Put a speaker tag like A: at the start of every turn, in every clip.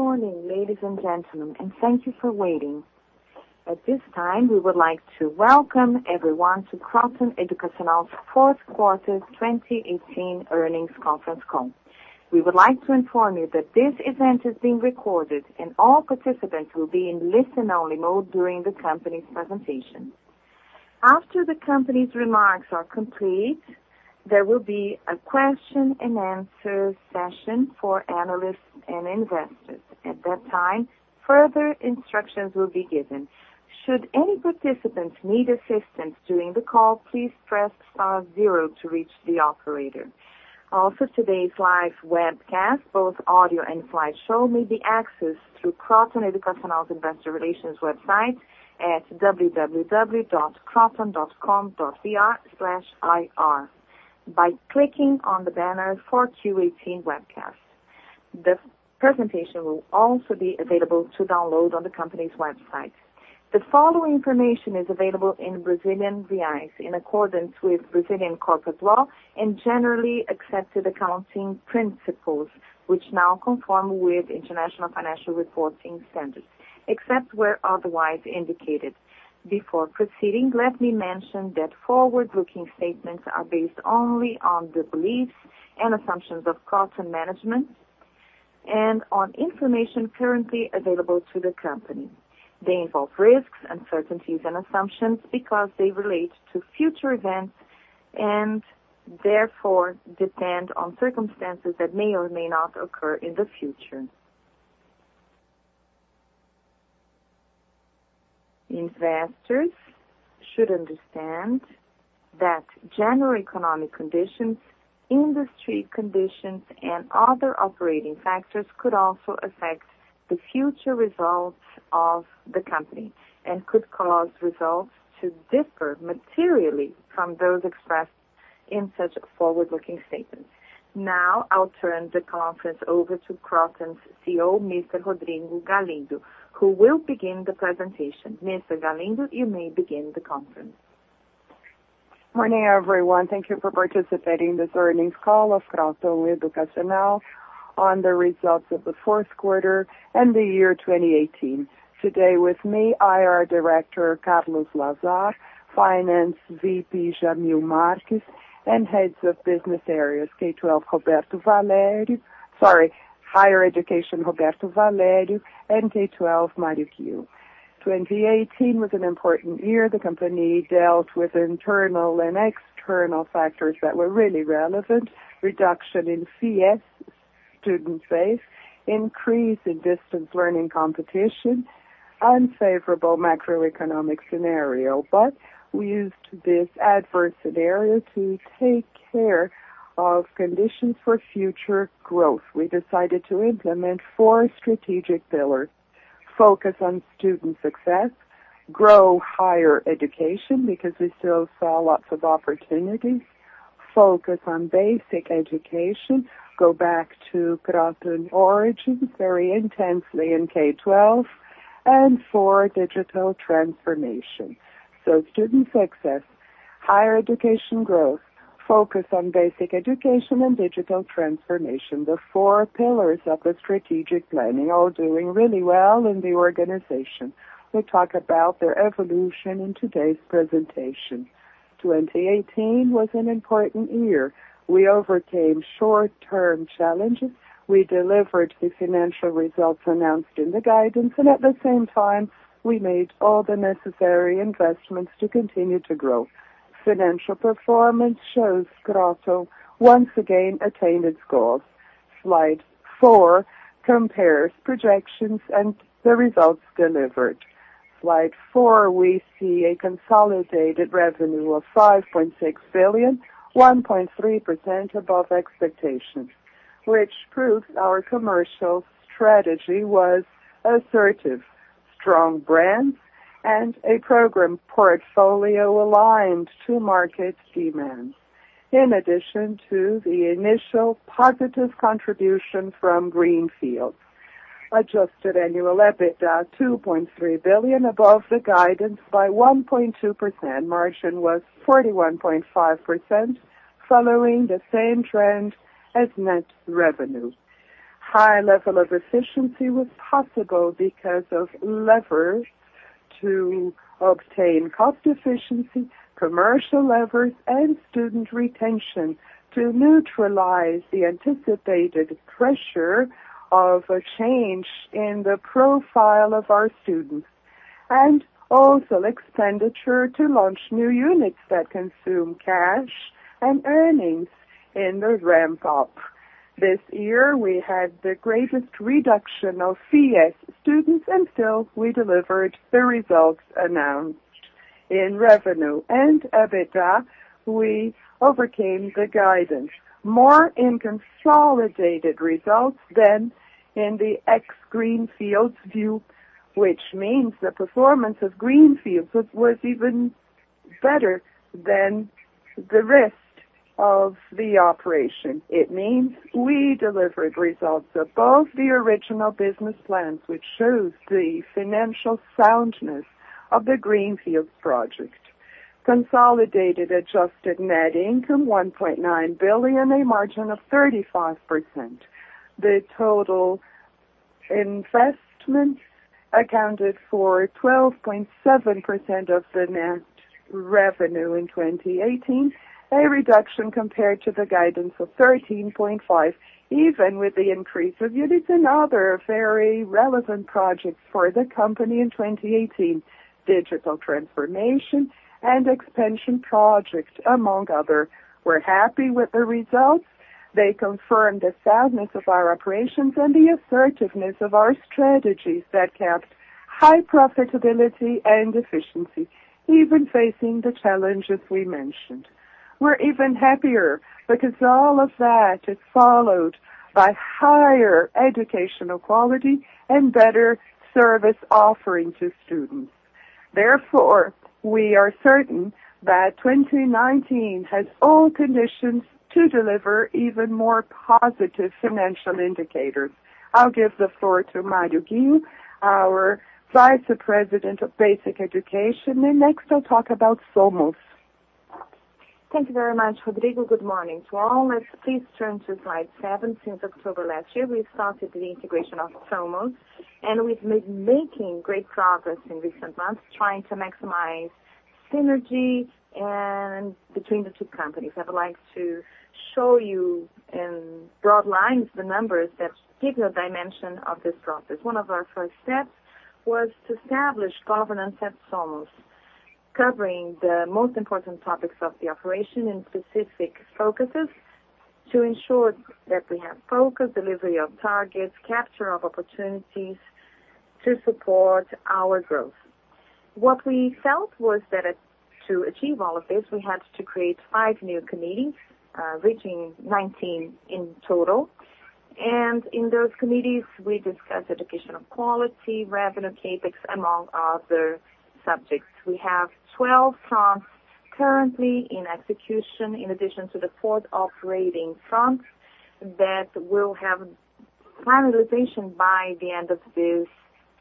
A: Good morning, ladies and gentlemen, and thank you for waiting. At this time, we would like to welcome everyone to Kroton Educacional's fourth quarter 2018 earnings conference call. We would like to inform you that this event is being recorded, and all participants will be in listen-only mode during the company's presentation. After the company's remarks are complete, there will be a question-and-answer session for analysts and investors. At that time, further instructions will be given. Should any participants need assistance during the call, please press star zero to reach the operator. Also, today's live webcast, both audio and slideshow, may be accessed through Kroton Educacional's investor relations website at www.kroton.com.br/ir by clicking on the banner for 4Q18 webcast. This presentation will also be available to download on the company's website. The following information is available in Brazilian real in accordance with Brazilian corporate law and generally accepted accounting principles, which now conform with International Financial Reporting Standards, except where otherwise indicated. Before proceeding, let me mention that forward-looking statements are based only on the beliefs and assumptions of Kroton management and on information currently available to the company. They involve risks, uncertainties, and assumptions because they relate to future events and therefore depend on circumstances that may or may not occur in the future. Investors should understand that general economic conditions, industry conditions, and other operating factors could also affect the future results of the company and could cause results to differ materially from those expressed in such forward-looking statements. Now, I'll turn the conference over to Kroton's CEO, Mr. Rodrigo Galindo, who will begin the presentation. Mr. Galindo, you may begin the conference.
B: Morning, everyone. Thank you for participating in this earnings call of Kroton Educacional on the results of the fourth quarter and the year 2018. Today with me, IR Director, Carlos Lazar; Finance VP, Jamil Marques; and Heads of Business Areas, Higher Education, Roberto Valério, and K12, Mario Ghio. 2018 was an important year. The company dealt with internal and external factors that were really relevant. Reduction in FIES student base, increase in distance learning competition, unfavorable macroeconomic scenario. But we used this adverse scenario to take care of conditions for future growth. We decided to implement four strategic pillars: focus on student success, grow higher education because we still saw lots of opportunities, focus on basic education, go back to Kroton origins very intensely in K12, and four, digital transformation. So student success, higher education growth, focus on basic education, and digital transformation. The four pillars of the strategic planning are doing really well in the organization. We'll talk about their evolution in today's presentation. 2018 was an important year. We overcame short-term challenges. We delivered the financial results announced in the guidance, and at the same time, we made all the necessary investments to continue to grow. Financial performance shows Kroton once again attained its goals. Slide four compares projections and the results delivered. Slide four, we see a consolidated revenue of 5.6 billion, 1.3% above expectations, which proves our commercial strategy was assertive. Strong brand and a program portfolio aligned to market demands. In addition to the initial positive contribution from greenfields. Adjusted annual EBITDA, 2.3 billion, above the guidance by 1.2%. Margin was 41.5%, following the same trend as net revenue. High level of efficiency was possible because of levers to obtain cost efficiency, commercial levers, and student retention to neutralize the anticipated pressure of a change in the profile of our students. Also expenditure to launch new units that consume cash and earnings in the ramp-up. This year, we had the greatest reduction of FIES students, still we delivered the results announced in revenue and EBITDA. We overcame the guidance. More in consolidated results than in the ex-greenfields view, which means the performance of greenfields was even better than the rest of the operation. It means we delivered results above the original business plans, which shows the financial soundness of the greenfields project. Consolidated adjusted net income, 1.9 billion on a margin of 35%. The total investments accounted for 12.7% of the net revenue in 2018, a reduction compared to the guidance of 13.5%, even with the increase of Unicesp and other very relevant projects for the company in 2018, digital transformation and expansion projects, among others. We're happy with the results. They confirm the soundness of our operations and the assertiveness of our strategies that kept high profitability and efficiency, even facing the challenges we mentioned. We're even happier because all of that is followed by higher educational quality and better service offering to students. Therefore, we are certain that 2019 has all conditions to deliver even more positive financial indicators. I'll give the floor to Maria Eugênia, our Vice President of Basic Education, and next, we'll talk about Somos.
C: Thank you very much, Rodrigo. Good morning to all. Let's please turn to slide 7. Since October last year, we've started the integration of Somos, and we've been making great progress in recent months trying to maximize synergy between the two companies. I would like to show you in broad lines the numbers that give the dimension of this process. One of our first steps was to establish governance at Somos, covering the most important topics of the operation in specific focuses to ensure that we have focused delivery of targets, capture of opportunities to support our growth. What we felt was that to achieve all of this, we had to create five new committees, reaching 19 in total. In those committees, we discussed educational quality, revenue, CapEx, among other subjects. We have 12 fronts currently in execution, in addition to the four operating fronts that will have finalization by the end of this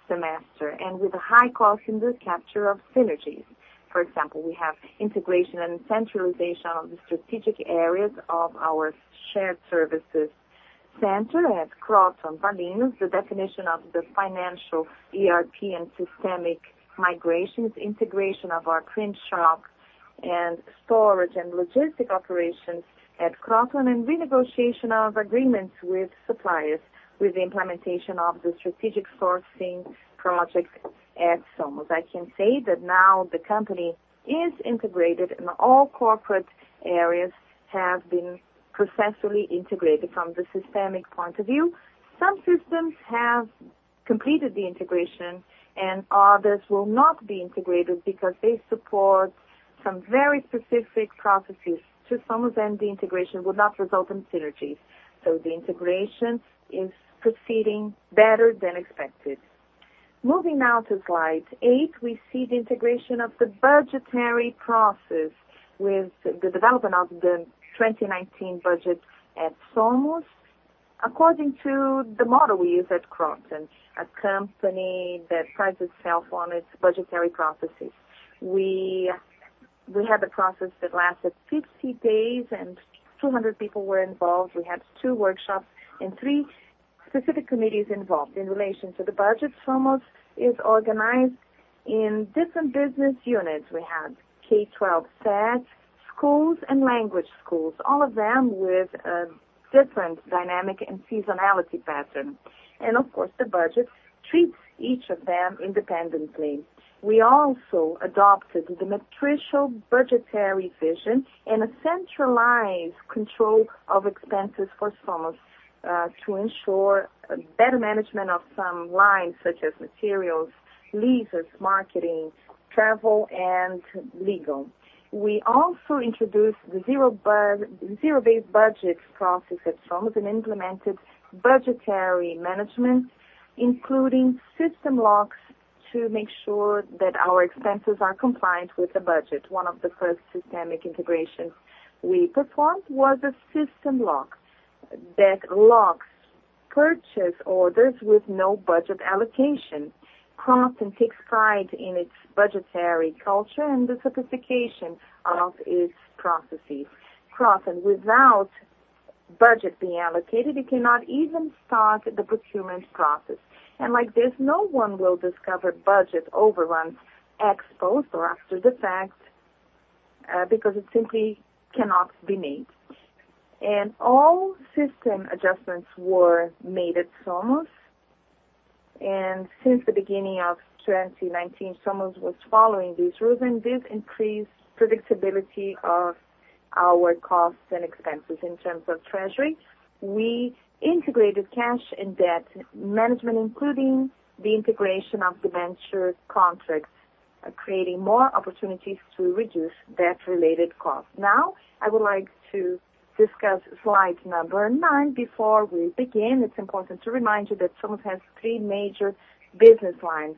C: semester, and with a high cost in the capture of synergies. For example, we have integration and centralization of the strategic areas of our shared services center at Kroton Paulínia, the definition of the financial ERP and systemic migrations, integration of our print shop, and storage and logistic operations at Kroton, and renegotiation of agreements with suppliers with the implementation of the strategic sourcing project at Somos. I can say that now the company is integrated, and all corporate areas have been successfully integrated from the systemic point of view. Some systems have completed the integration, and others will not be integrated because they support some very specific processes. To some of them, the integration would not result in synergies. The integration is proceeding better than expected. Moving now to slide eight, we see the integration of the budgetary process with the development of the 2019 budget at Somos. According to the model we use at Kroton, a company that prides itself on its budgetary processes. We had a process that lasted 60 days, and 200 people were involved. We had two workshops and three specific committees involved. In relation to the budget, Somos is organized in different business units. We have K12 sets, schools, and language schools, all of them with a different dynamic and seasonality pattern. Of course, the budget treats each of them independently. We also adopted the nutritional budgetary vision and a centralized control of expenses for Somos to ensure better management of some lines such as materials, leases, marketing, travel, and legal. We also introduced the zero-based budget process at Somos and implemented budgetary management, including system locks to make sure that our expenses are compliant with the budget. One of the first systemic integrations we performed was a system lock that locks purchase orders with no budget allocation. Kroton takes pride in its budgetary culture and the sophistication of its processes. Kroton, without budget being allocated, it cannot even start the procurement process. Like this, no one will discover budget overruns exposed or after the fact because it simply cannot be made. All system adjustments were made at Somos. Since the beginning of 2019, Somos was following these rules, and this increased predictability of our costs and expenses. In terms of treasury, we integrated cash and debt management, including the integration of the venture contracts, creating more opportunities to reduce debt-related costs. I would like to discuss slide number 9. Before we begin, it's important to remind you that Somos has three major business lines.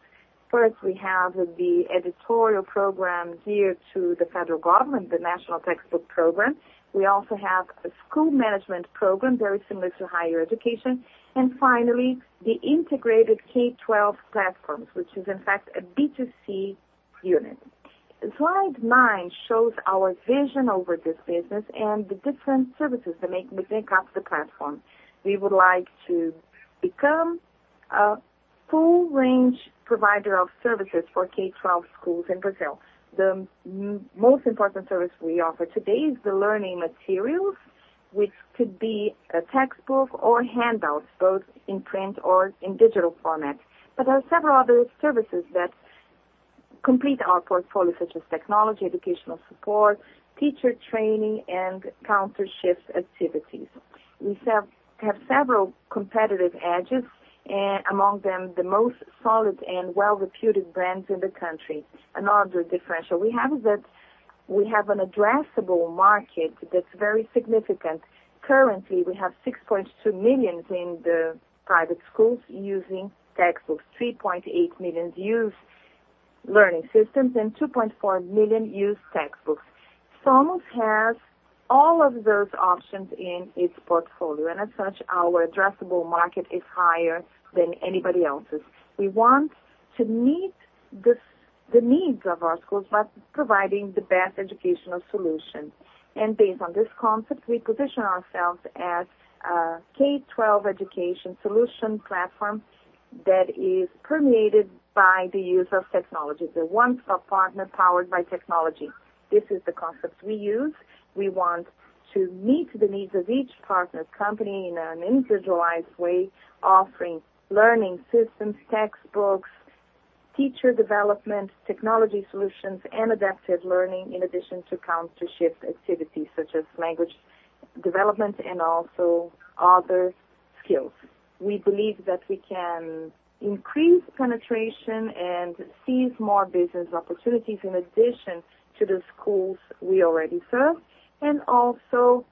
C: First, we have the editorial program here to the federal government, the national textbook program. We also have the school management program, very similar to higher education. Finally, the integrated K12 platforms, which is in fact a B2C unit. Slide nine shows our vision over this business and the different services that make up the platform. We would like to become a full-range provider of services for K12 schools in Brazil. The most important service we offer today is the learning materials, which could be a textbook or handouts, both in print or in digital format. There are several other services that complete our portfolio, such as technology, educational support, teacher training, and countershift activities. We have several competitive edges, among them, the most solid and well-reputed brands in the country. Another differential we have is that we have an addressable market that's very significant. Currently, we have 6.2 million in the private schools using textbooks. 3.8 million use learning systems, and 2.4 million use textbooks. Somos has all of those options in its portfolio, as such, our addressable market is higher than anybody else's. We want to meet the needs of our schools by providing the best educational solution. Based on this concept, we position ourselves as a K12 education solution platform that is permeated by the use of technology. The one-stop partner powered by technology. This is the concept we use. We want to meet the needs of each partner company in an individualized way, offering learning systems, textbooks, teacher development, technology solutions, and adaptive learning, in addition to countershift activities such as language development and also other skills. We believe that we can increase penetration and seize more business opportunities in addition to the schools we already serve, also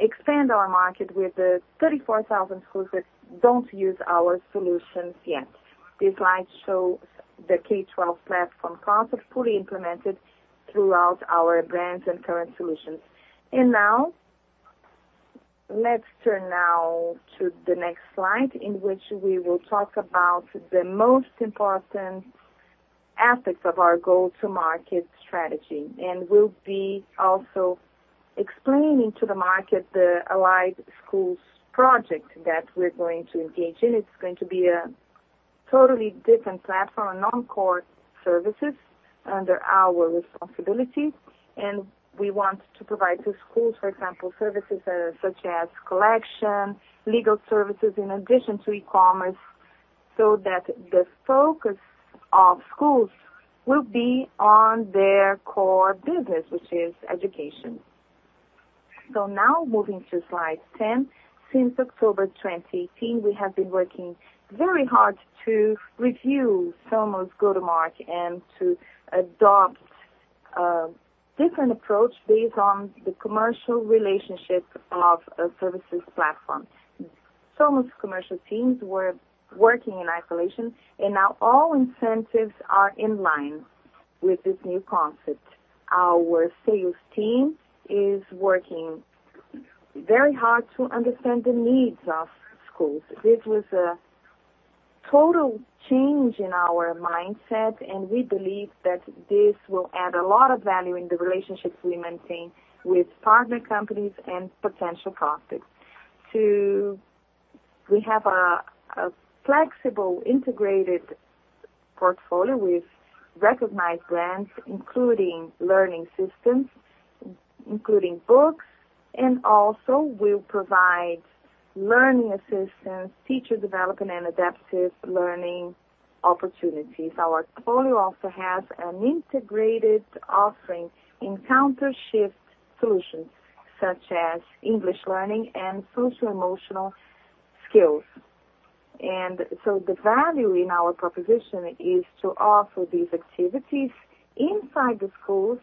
C: expand our market with the 34,000 schools that don't use our solutions yet. This slide shows the K-12 platform concept fully implemented throughout our brands and current solutions. Now, let's turn now to the next slide, in which we will talk about the most important aspect of our go-to-market strategy. We'll be also explaining to the market the Allied Schools project that we're going to engage in. It's going to be a totally different platform, non-core services under our responsibility. We want to provide to schools, for example, services such as collection, legal services in addition to e-commerce, so that the focus of schools will be on their core business, which is education. Now moving to slide 10. Since October 2018, we have been working very hard to review Somos' go-to-market and to adopt a different approach based on the commercial relationship of services platform. Somos commercial teams were working in isolation, now all incentives are in line with this new concept. Our sales team is working very hard to understand the needs of schools. It was a total change in our mindset, we believe that this will add a lot of value in the relationships we maintain with partner companies and potential prospects. Two, we have a flexible, integrated portfolio with recognized brands, including learning systems, including books, also we provide learning assistance, teacher development, and adaptive learning opportunities. Our portfolio also has an integrated offering in countershift solutions such as English learning and social emotional skills. So the value in our proposition is to offer these activities inside the schools.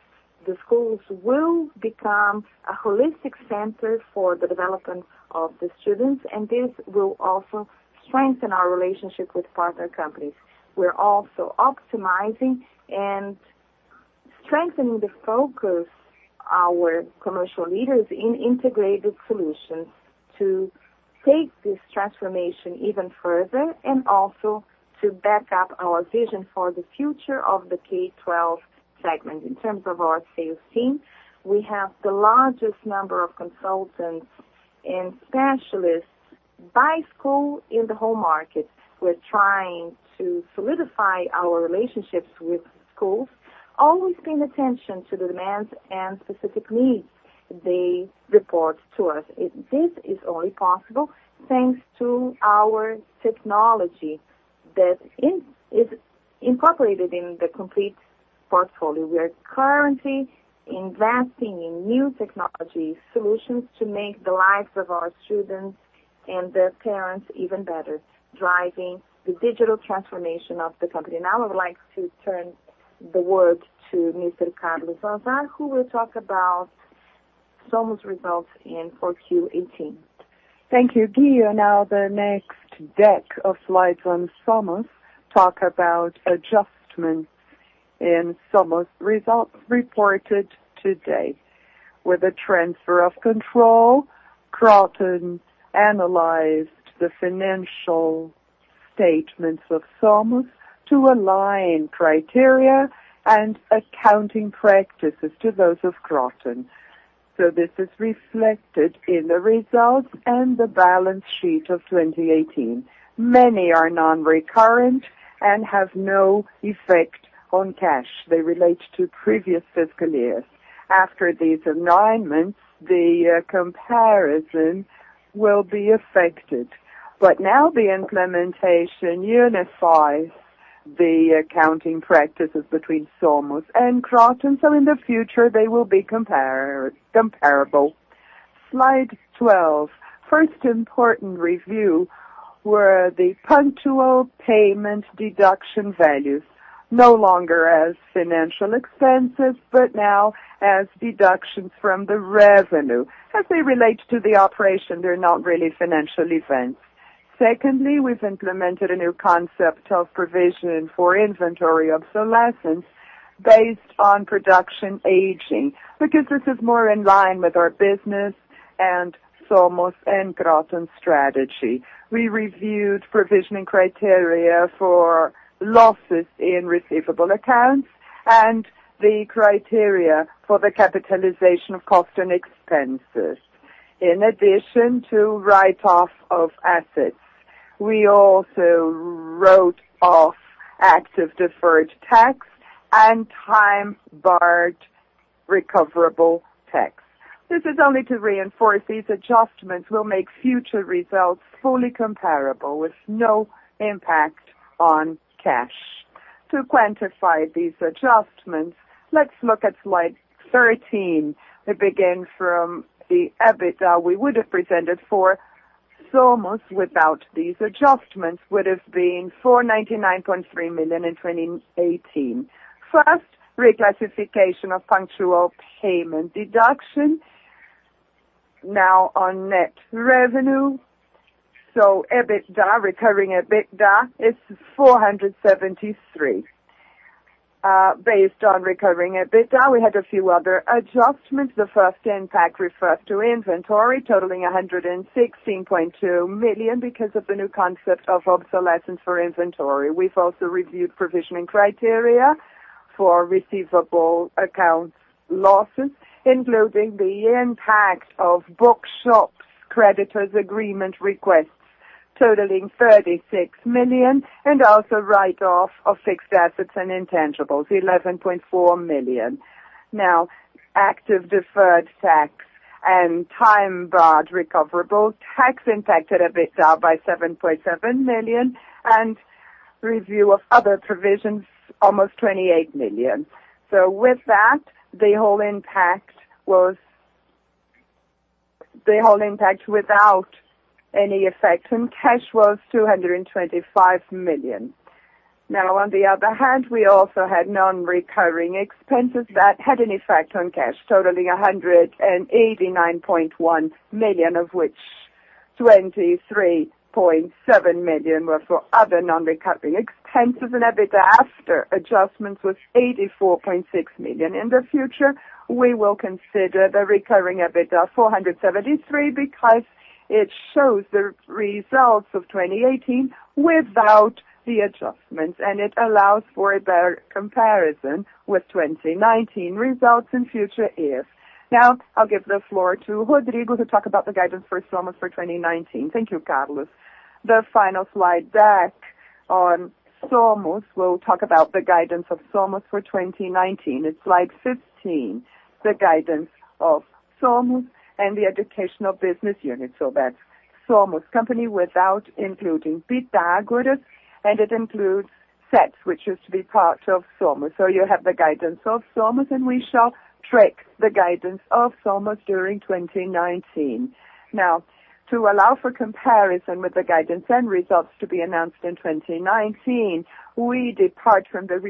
C: The schools will become a holistic center for the development of the students, this will also strengthen our relationship with partner companies. We're also optimizing and strengthening the focus our commercial leaders in integrated solutions to take this transformation even further, also to back up our vision for the future of the K-12 segment. In terms of our sales team, we have the largest number of consultants and specialists by school in the whole market. We're trying to solidify our relationships with schools, always paying attention to the demands and specific needs they report to us. This is only possible thanks to our technology that is incorporated in the complete portfolio. We are currently investing in new technology solutions to make the lives of our students and their parents even better, driving the digital transformation of the company. Now I would like to turn the word to Mr. Carlos Lazar, who will talk about Somos results for 4Q18.
D: Thank you, Eugenia. The next deck of slides on Somos talk about adjustments in Somos results reported today. With a transfer of control, Kroton analyzed the financial statements of Somos to align criteria and accounting practices to those of Kroton. This is reflected in the results and the balance sheet of 2018. Many are non-recurrent and have no effect on cash. They relate to previous fiscal year. After these alignments, the comparison will be affected. The implementation unifies the accounting practices between Somos and Kroton, in the future, they will be comparable. Slide 12. First important review were the punctual payment deduction values, no longer as financial expenses, but now as deductions from the revenue. As they relate to the operation, they're not really financially expensed. Secondly, we've implemented a new concept of provision for inventory obsolescence based on production aging, because this is more in line with our business and Somos and Kroton strategy. We reviewed provisioning criteria for losses in receivable accounts and the criteria for the capitalization of Kroton expenses. In addition to write-off of assets, we also wrote off active deferred tax and time-barred recoverable tax. This is only to reinforce these adjustments will make future results fully comparable with no impact on cash. To quantify these adjustments, let's look at slide 13. We begin from the EBITDA we would have presented for Somos without these adjustments, would have been 499.3 million in 2018. First, reclassification of punctual payment deduction, now on net revenue. Recurring EBITDA is 473 million. Based on recurring EBITDA, we had a few other adjustments. The first impact refers to inventory totaling 116.2 million because of the new concept of obsolescence for inventory. We've also reviewed provisioning criteria for receivable accounts losses, including the impact of Saraiva's creditors agreement requests totaling 36 million, and also write-off of fixed assets and intangibles, 11.4 million. Active deferred tax and time-barred recoverable tax impacted EBITDA by 7.7 million, and review of other provisions, almost 28 million. With that, the whole impact without any effect on cash was 225 million. On the other hand, we also had non-recurring expenses that had an effect on cash totaling 189.1 million, of which 23.7 million were for other non-recurring expenses. EBITDA after adjustments was 84.6 million. In the future, we will consider the recurring EBITDA 473 million, because it shows the results of 2018 without the adjustments, and it allows for a better comparison with 2019 results in future years. I'll give the floor to Rodrigo to talk about the guidance for Somos for 2019.
B: Thank you, Carlos. The final slide back on Somos. We'll talk about the guidance of Somos for 2019. It's slide 15, the guidance of Somos and the educational business unit. That's Somos company without including Pitágoras, and it includes Sette, which is to be part of Somos. You have the guidance of Somos, and we shall track the guidance of Somos during 2019. To allow for comparison with the guidance and results to be announced in 2019, we depart from the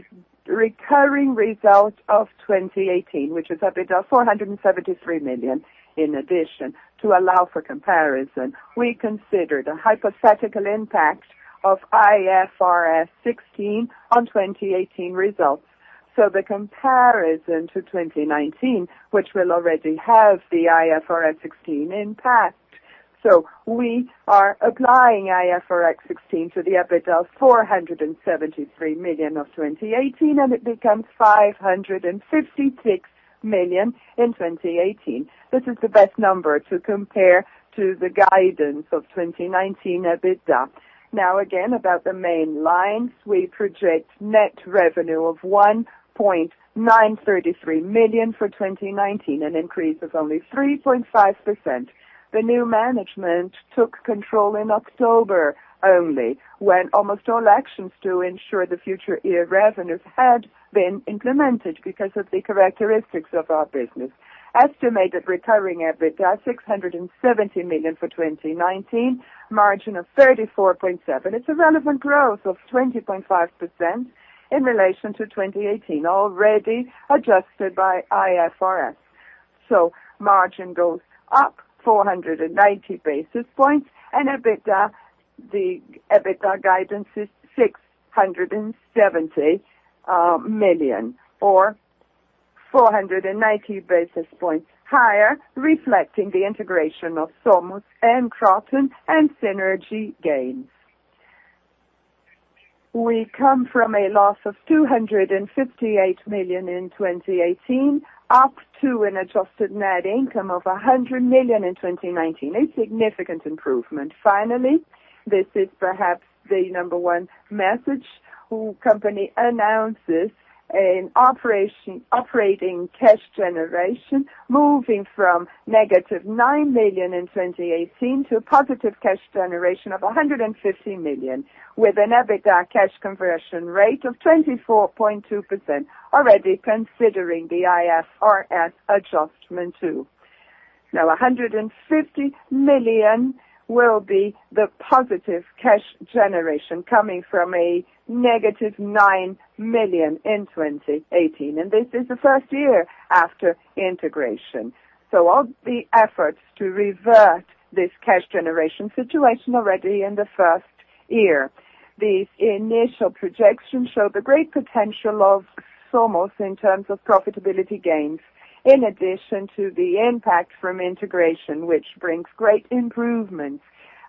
B: recurring results of 2018, which is EBITDA 473 million. In addition, to allow for comparison, we considered a hypothetical impact of IFRS 16 on 2018 results. The comparison to 2019, which will already have the IFRS 16 impact. We are applying IFRS 16 to the EBITDA 473 million of 2018, and it becomes 556 million in 2018. This is the best number to compare to the guidance of 2019 EBITDA. Again, about the main line, we project net revenue of 1.933 million for 2019, an increase of only 3.5%. The new management took control in October only, when almost all actions to ensure the future year revenues had been implemented because of the characteristics of our business. Estimated recurring EBITDA, 670 million for 2019. Margin of 34.7%. It's a relevant growth of 20.5% in relation to 2018, already adjusted by IFRS. Margin goes up 490 basis points, and the EBITDA guidance is 670 million, or 490 basis points higher, reflecting the integration of Somos and Kroton and synergy gains. We come from a loss of 258 million in 2018, up to an adjusted net income of 100 million in 2019, a significant improvement. Finally, this is perhaps the number one message. Company announces an operating cash generation moving from negative 9 million in 2018 to a positive cash generation of 150 million, with an EBITDA cash conversion rate of 24.2%, already considering the IFRS adjustment too. 150 million will be the positive cash generation coming from a negative 9 million in 2018, and this is the first year after integration. All the efforts to revert this cash generation situation already in the first year. The initial projections show the great potential of Somos in terms of profitability gains, in addition to the impact from integration, which brings great improvements,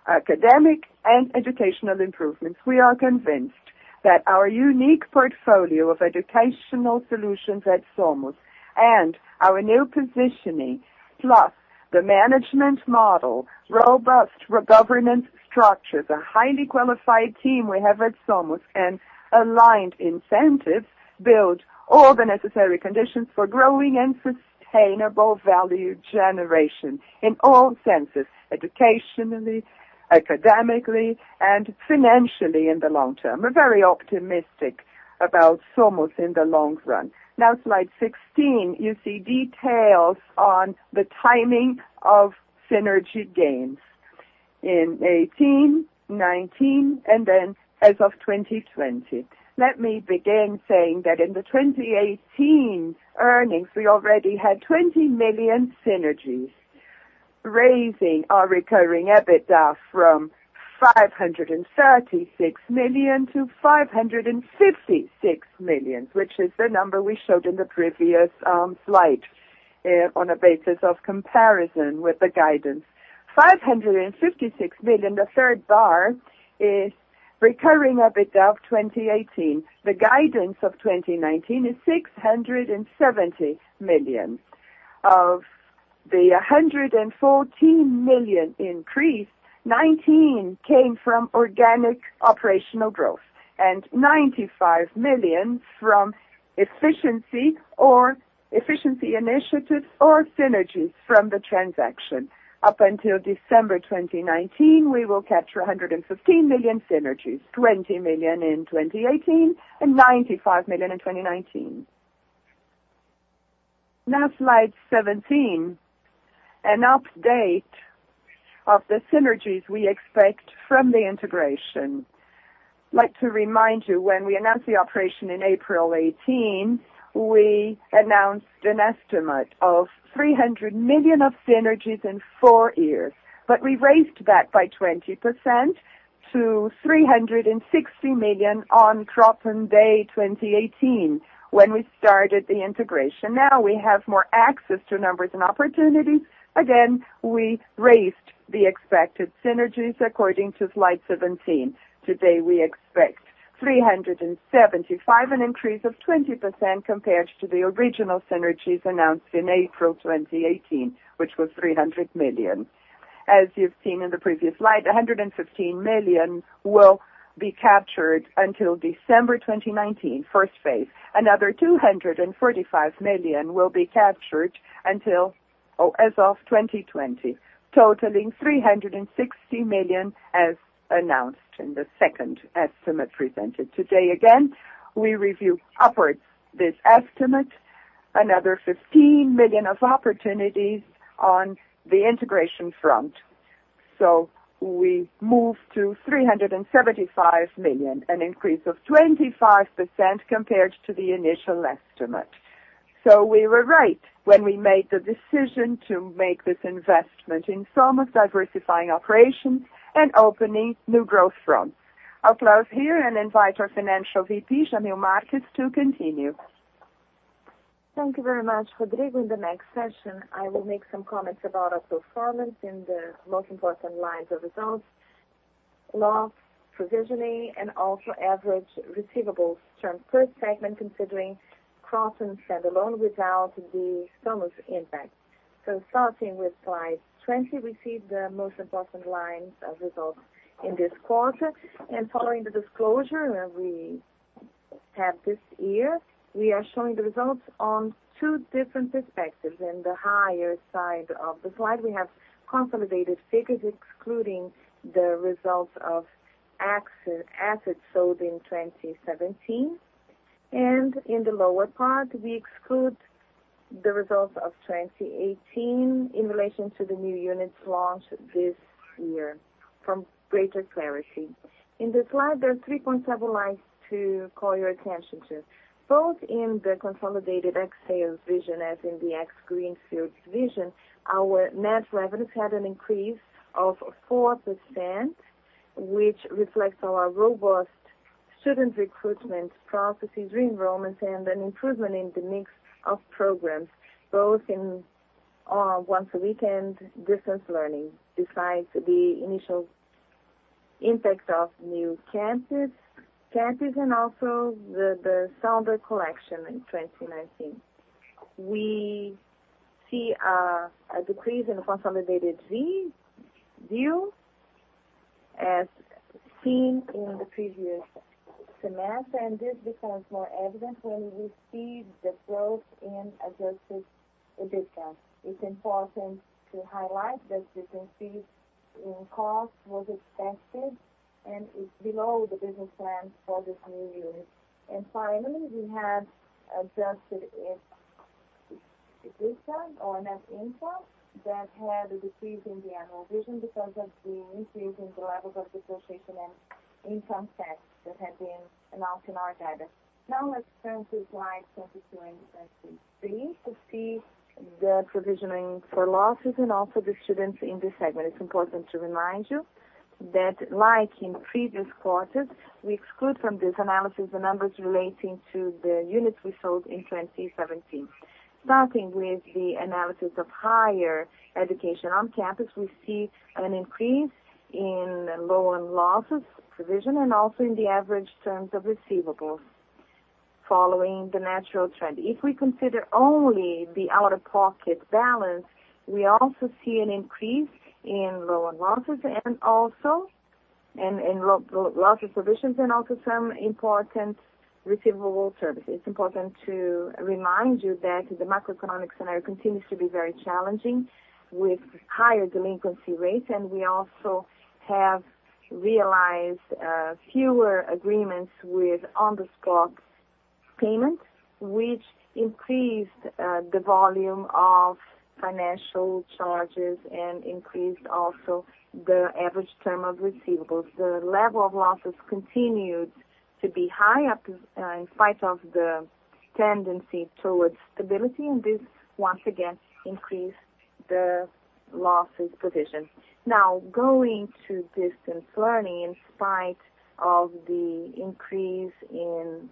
B: academic and educational improvements. We are convinced that our unique portfolio of educational solutions at Somos and our new positioning, plus the management model, robust governance structure, the highly qualified team we have at Somos, and aligned incentives, build all the necessary conditions for growing and sustainable value generation in all senses, educationally, academically, and financially in the long term. We're very optimistic about Somos in the long run. Slide 16, you see details on the timing of synergy gains in 2018, 2019, and then as of 2020. Let me begin saying that in the 2018 earnings, we already had 20 million synergies, raising our recurring EBITDA from 536 million to 556 million, which is the number we showed in the previous slide, on a basis of comparison with the guidance. 556 million, the third bar, is recurring EBITDA of 2018. The guidance of 2019 is 670 million. Of the 114 million increase, 19 came from organic operational growth and 95 million from efficiency initiatives or synergies from the transaction. Up until December 2019, we will capture 115 million synergies, 20 million in 2018 and 95 million in 2019. Slide 17, an update of the synergies we expect from the integration. I'd like to remind you, when we announced the operation in April 2018, we announced an estimate of 300 million of synergies in four years, but we raised that by 20% to 360 million on Kroton Day 2018, when we started the integration. Now we have more access to numbers and opportunities. Again, we raised the expected synergies according to slide 17. Today, we expect 375 million, an increase of 20% compared to the original synergies announced in April 2018, which was 300 million. As you've seen in the previous slide, 115 million will be captured until December 2019, first phase. Another 245 million will be captured as of 2020, totaling 360 million, as announced in the second estimate presented today. Again, we review upward this estimate. Another 15 million of opportunities on the integration front. We move to 375 million, an increase of 25% compared to the initial estimate. We were right when we made the decision to make this investment in Somos, diversifying operations and opening new growth fronts. I'll pause here and invite our Financial VP, Jamil Marques, to continue.
E: Thank you very much. Proceeding the next session, I will make some comments about our performance in the most important lines of results, loss provisioning, and also average receivables churn. First segment considering Kroton standalone without the Somos impact. Starting with slide 20, we see the most important lines of results in this quarter. Following the disclosure that we have this year, we are showing the results on two different perspectives. In the higher side of the slide, we have consolidated figures excluding the results of assets sold in 2017. In the lower part, we exclude the results of 2018 in relation to the new units launched this year for greater clarity. In this slide, there are three points I would like to call your attention to. Both in the consolidated Exxar vision and in the ex Greenfields vision, our net revenues had an increase of 4%, which reflects our robust student recruitment processes, re-enrollment, and an improvement in the mix of programs, both in once-a-weekend distance learning, despite the initial impact of new campuses and also the stronger collection in 2019. We see a decrease in consolidated view as seen in the previous semester, and this becomes more evident when we see the growth in adjusted EBITDA. It's important to highlight that the increase in cost was expected and is below the business plan for this new unit. Finally, we have adjusted EBITDA or net income that had a decrease in the annual vision because of the increase in the levels of depreciation and income tax that had been announced in our guidance. Now let's turn to slide 23 to see the provisioning for losses and also the students in this segment. It's important to remind you that like in previous quarters, we exclude from this analysis the numbers relating to the units we sold in 2017. Starting with the analysis of higher education. On campus, we see an increase in loan losses provision and also in the average term of receivables following the natural trend. If we consider only the out-of-pocket balance, we also see an increase in loan losses and also in losses provisions and also some important receivable services. It's important to remind you that the macroeconomic scenario continues to be very challenging with higher delinquency rates, and we also have realized fewer agreements with on-the-spot payments, which increased the volume of financial charges and increased also the average term of receivables. The level of losses continued to be high in spite of the tendency towards stability, this once again increased the losses provision. Now going to distance learning. In spite of the increase in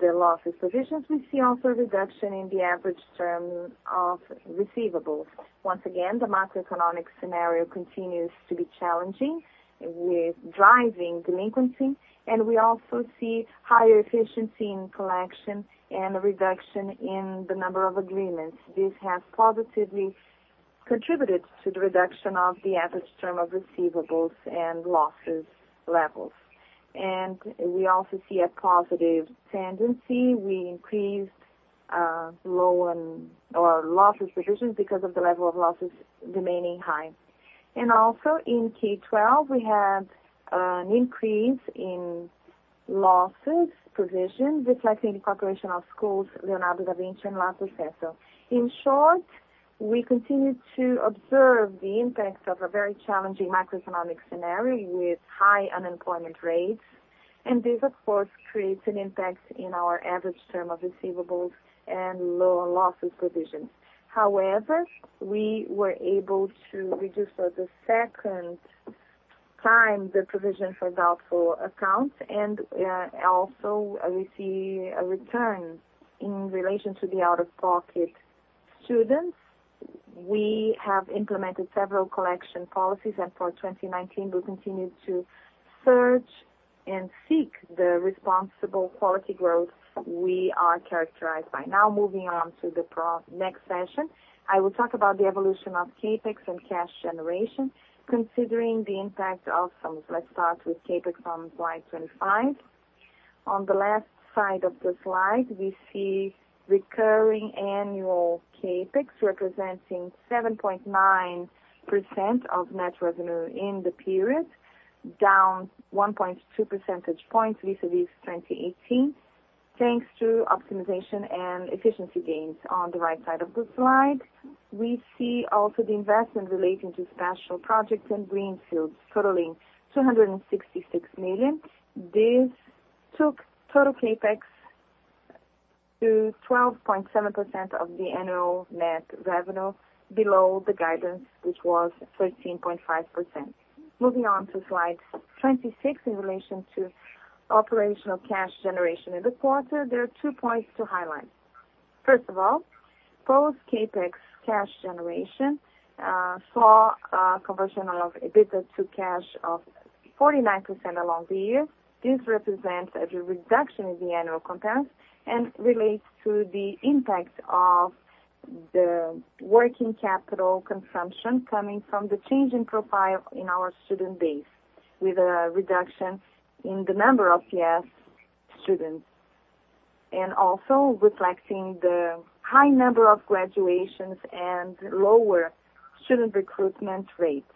E: the losses provisions, we see also a reduction in the average term of receivables. Once again, the macroeconomic scenario continues to be challenging with driving delinquency, and we also see higher efficiency in collection and a reduction in the number of agreements. This has positively contributed to the reduction of the average term of receivables and losses levels. We also see a positive tendency. We increased our losses provisions because of the level of losses remaining high. Also in K12, we had an increase in losses provision, reflecting the acquisition of schools, Leonardo da Vinci and Lato Sensu. In short, we continue to observe the impact of a very challenging macroeconomic scenario with high unemployment rates, this of course, creates an impact in our average term of receivables and loan losses provision. However, we were able to reduce for the second time the provision for doubtful accounts, and also we see a return in relation to the out-of-pocket students. We have implemented several collection policies, for 2019, we'll continue to search and seek the responsible quality growth we are characterized by. Now moving on to the next section. I will talk about the evolution of CapEx and cash generation considering the impact of. Let's start with CapEx on slide 25. On the left side of the slide, we see recurring annual CapEx representing 7.9% of net revenue in the period, down 1.2 percentage points vis-à-vis 2018, thanks to optimization and efficiency gains. On the right side of the slide, we see also the investment relating to special projects and greenfields totaling 266 million. This took total CapEx to 12.7% of the annual net revenue, below the guidance, which was 13.5%. Moving on to slide 26 in relation to operational cash generation in the quarter, there are two points to highlight. First of all, post CapEx cash generation saw a conversion of EBITDA to cash of 49% along the year. This represents a reduction in the annual compared and relates to the impact of the working capital consumption coming from the change in profile in our student base, with a reduction in the number of PF students and also reflecting the high number of graduations and lower student recruitment rates.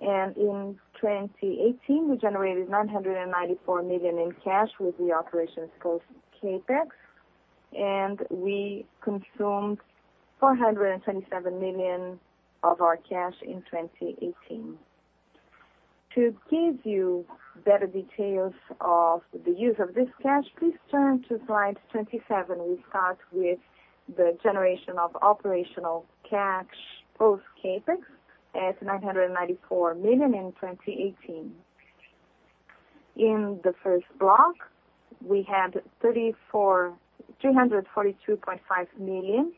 E: In 2018, we generated 994 million in cash with the operational flow CapEx. We consumed 427 million of our cash in 2018. To give you better details of the use of this cash, please turn to slide 27. We start with the generation of operational cash post CapEx, as BRL 994 million in 2018. In the first block, we had 242.5 million,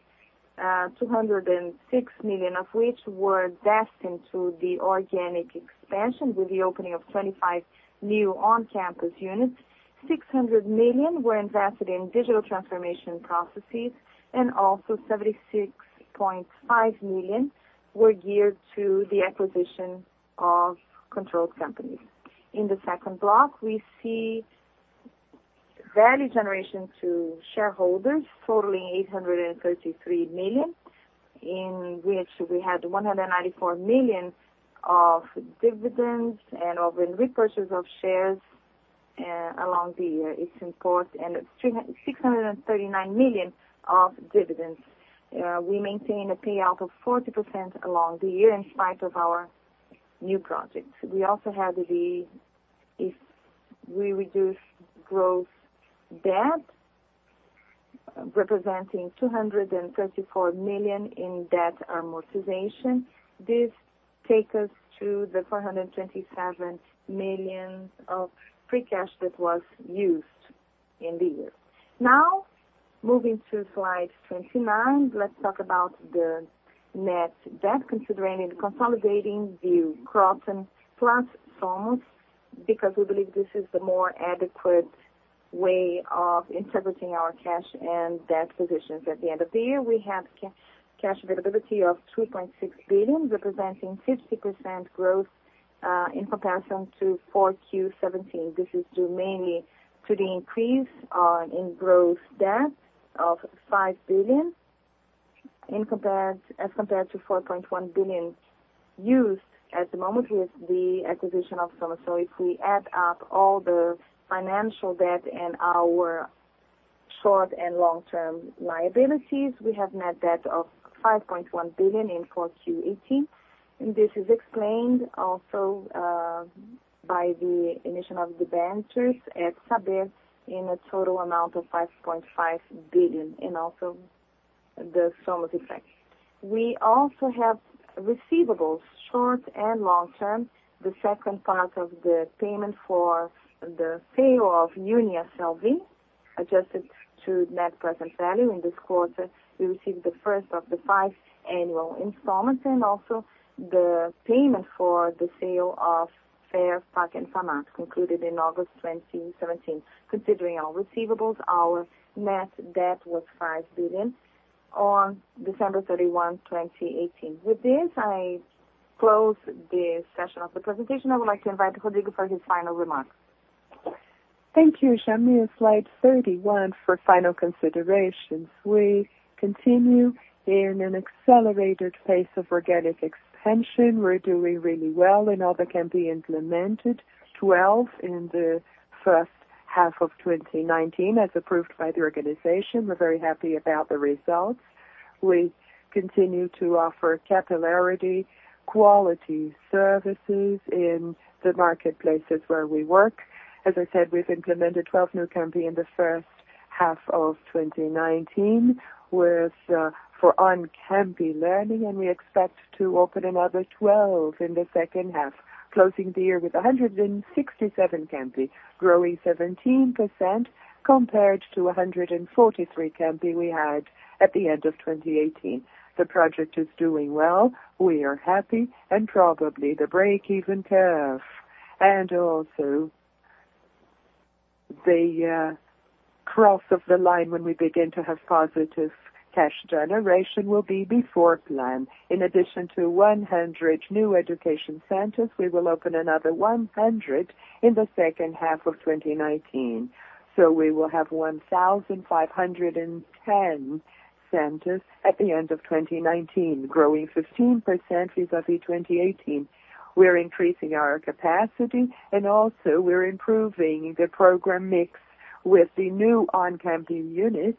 E: 206 million of which were destined to the organic expansion with the opening of 25 new on-campus units. 600 million were invested in digital transformation processes. Also, 76.5 million were geared to the acquisition of controlled companies. In the second block, we see value generation to shareholders totaling 833 million, in which we had 194 million of dividends and of repurchase of shares along the year, it is important. 639 million of dividends. We maintain a payout of 40% along the year in spite of our new projects. We also have the reduction of gross debt, representing 234 million in debt amortization. This takes us to the 427 million of free cash that was used in the year. Moving to slide 29, let's talk about the net debt considering consolidating the Kroton platform, because we believe this is the more adequate way of interpreting our cash and debt positions. At the end of the year, we have cash visibility of 2.6 billion, representing 50% growth in comparison to 4Q17. This is due mainly to the increase in gross debt of 5 billion as compared to 4.1 billion used at the moment with the acquisition of Somos. If we add up all the financial debt and our short- and long-term liabilities, we have net debt of 5.1 billion in 4Q18. This is explained also by the emission of debentures at Saber in a total amount of 5.5 billion. Also, the sum of the effects. We also have receivables, short and long-term. The second part of the payment for the payoff Uniasselvi, adjusted to net present value. In this quarter, we received the first of the five annual installments. Also, the payment for the sale of Fair, Park and Farm concluded in August 2017. Considering our receivables, our net debt was 5 billion on December 31, 2018. With this, I close the session of the presentation. I would like to invite Rodrigo for his final remarks.
B: Thank you, Jamil. Slide 31 for final considerations. We continue in an accelerated pace of organic expansion. We are doing really well in all the campi implemented, 12 in the first half of 2019, as approved by the organization. We are very happy about the results. We continue to offer capillarity, quality services in the marketplaces where we work. As I said, we have implemented 12 new campi in the first half of 2019 with four on-campi learning. We expect to open another 12 in the second half, closing the year with 167 campi, growing 17% compared to 143 campi we had at the end of 2018. The project is doing well. We are happy. Probably the break-even curve and the cross of the line when we begin to have positive cash generation will be before plan. In addition to 100 new education centers, we will open another 100 in the second half of 2019. We will have 1,510 centers at the end of 2019, growing 15% vis-à-vis 2018. We're increasing our capacity and also we're improving the program mix with the new on-campi units.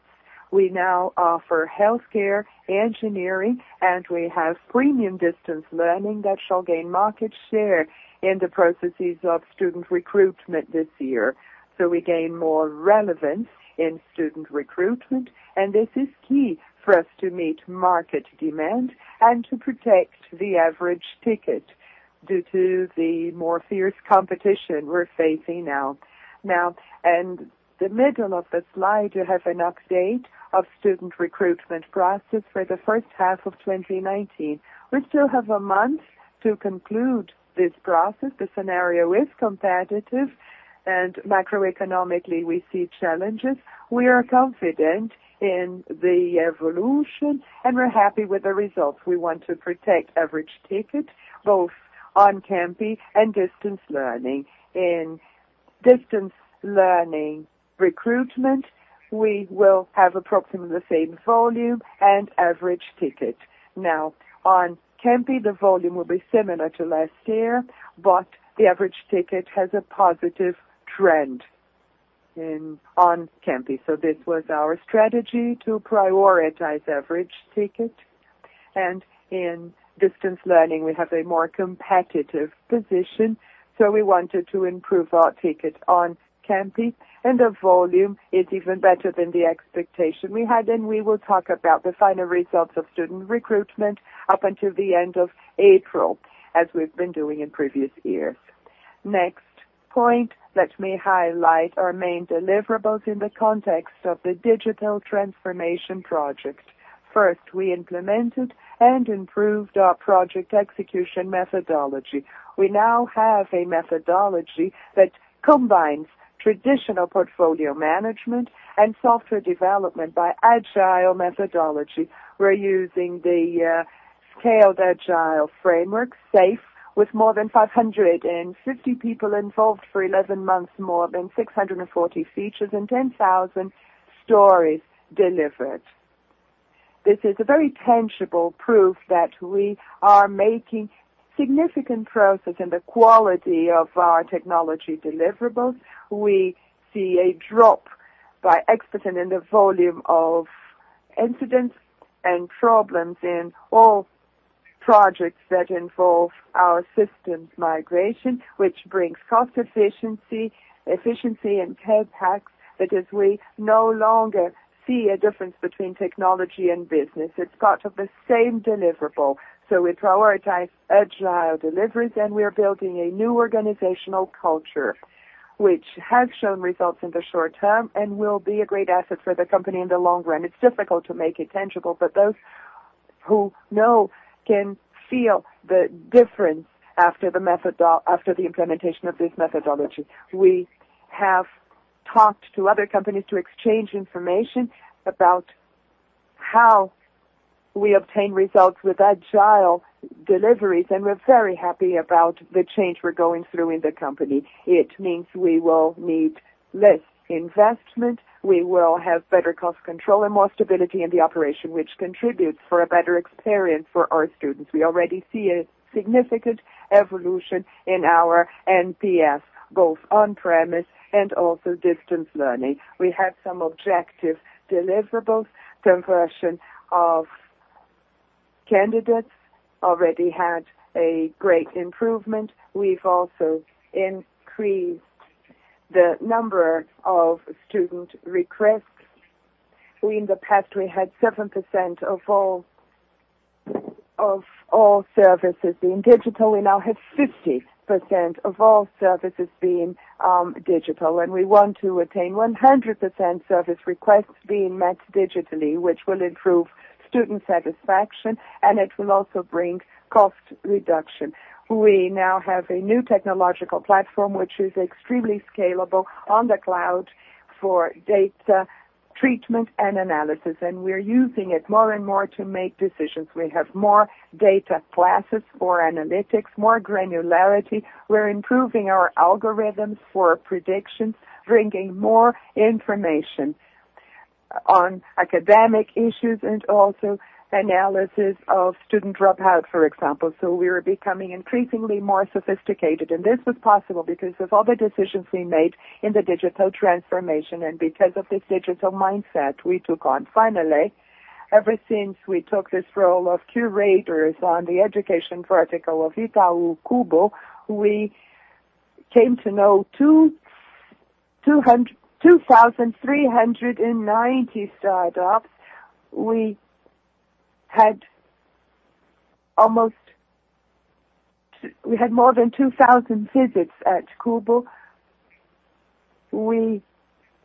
B: We now offer healthcare, engineering, and we have premium distance learning that shall gain market share in the processes of student recruitment this year. We gain more relevance in student recruitment, and this is key for us to meet market demand and to protect the average ticket due to the more fierce competition we're facing now. In the middle of the slide, you have an update of student recruitment process for the first half of 2019. We still have a month to conclude this process. The scenario is competitive and macroeconomically, we see challenges. We are confident in the evolution, and we're happy with the results. We want to protect average ticket, both on-campi and distance learning. In distance learning recruitment, we will have approximately the same volume and average ticket. On-campi, the volume will be similar to last year, but the average ticket has a positive trend in on-campi. This was our strategy to prioritize average ticket. In distance learning, we have a more competitive position. We wanted to improve our ticket on-campi. The volume is even better than the expectation we had. We will talk about the final results of student recruitment up until the end of April, as we've been doing in previous years. Next point, let me highlight our main deliverables in the context of the digital transformation project. First, we implemented and improved our project execution methodology. We now have a methodology that combines traditional portfolio management and software development by agile methodology. We're using the Scaled Agile Framework, SAFe, with more than 550 people involved for 11 months, more than 640 features, and 10,000 stories delivered. This is a very tangible proof that we are making significant progress in the quality of our technology deliverables. We see a drop by in the volume of incidents and problems in all projects that involve our systems migration, which brings cost efficiency in CapEx, because we no longer see a difference between technology and business. It's part of the same deliverable. We prioritize agile deliveries. We are building a new organizational culture, which has shown results in the short term and will be a great asset for the company in the long run. It's difficult to make it tangible. Those who know can feel the difference after the implementation of this methodology. We have talked to other companies to exchange information about how we obtain results with agile deliveries. We're very happy about the change we're going through in the company. It means we will need less investment. We will have better cost control and more stability in the operation, which contributes for a better experience for our students. We already see a significant evolution in our NPS, both on-premise and also distance learning. We have some objective deliverables. Conversion of candidates already had a great improvement. We've also increased the number of student requests. In the past, we had 7% of all services being digital. We now have 50% of all services being digital. We want to attain 100% service requests being met digitally, which will improve student satisfaction, and it will also bring cost reduction. We now have a new technological platform, which is extremely scalable on the cloud for data treatment and analysis. We are using it more and more to make decisions. We have more data classes for analytics, more granularity. We are improving our algorithms for predictions, bringing more information on academic issues and also analysis of student dropout, for example. We are becoming increasingly more sophisticated, and this was possible because of all the decisions we made in the digital transformation and because of this digital mindset we took on. Finally, ever since we took this role of curators on the education vertical of Cubo Itaú, we came to know 2,390 startups. We had more than 2,000 visits at Cubo. We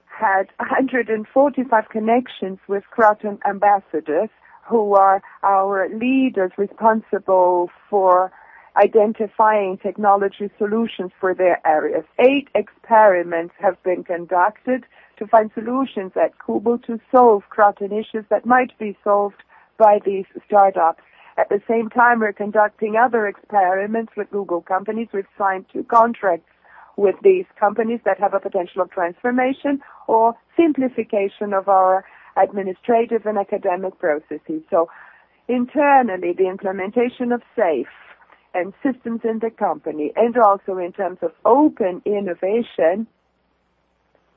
B: had 145 connections with Kroton ambassadors who are our leaders responsible for identifying technology solutions for their areas. Eight experiments have been conducted to find solutions at Cubo to solve Kroton issues that might be solved by these startups. At the same time, we're conducting other experiments with Google companies. We've signed two contracts with these companies that have a potential transformation or simplification of our administrative and academic processes. Internally, the implementation of SAFe and systems in the company, and also in terms of open innovation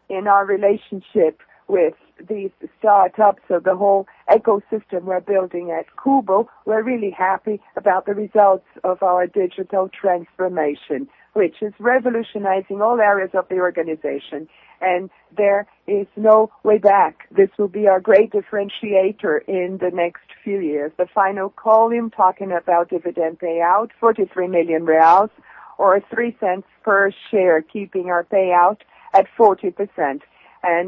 B: in our relationship with these startups. The whole ecosystem we're building at Cubo, we're really happy about the results of our digital transformation, which is revolutionizing all areas of the organization, and there is no way back. This will be our great differentiator in the next few years. The final column talking about dividend payout, 43 million reais, or 0.03 per share, keeping our payout at 40%.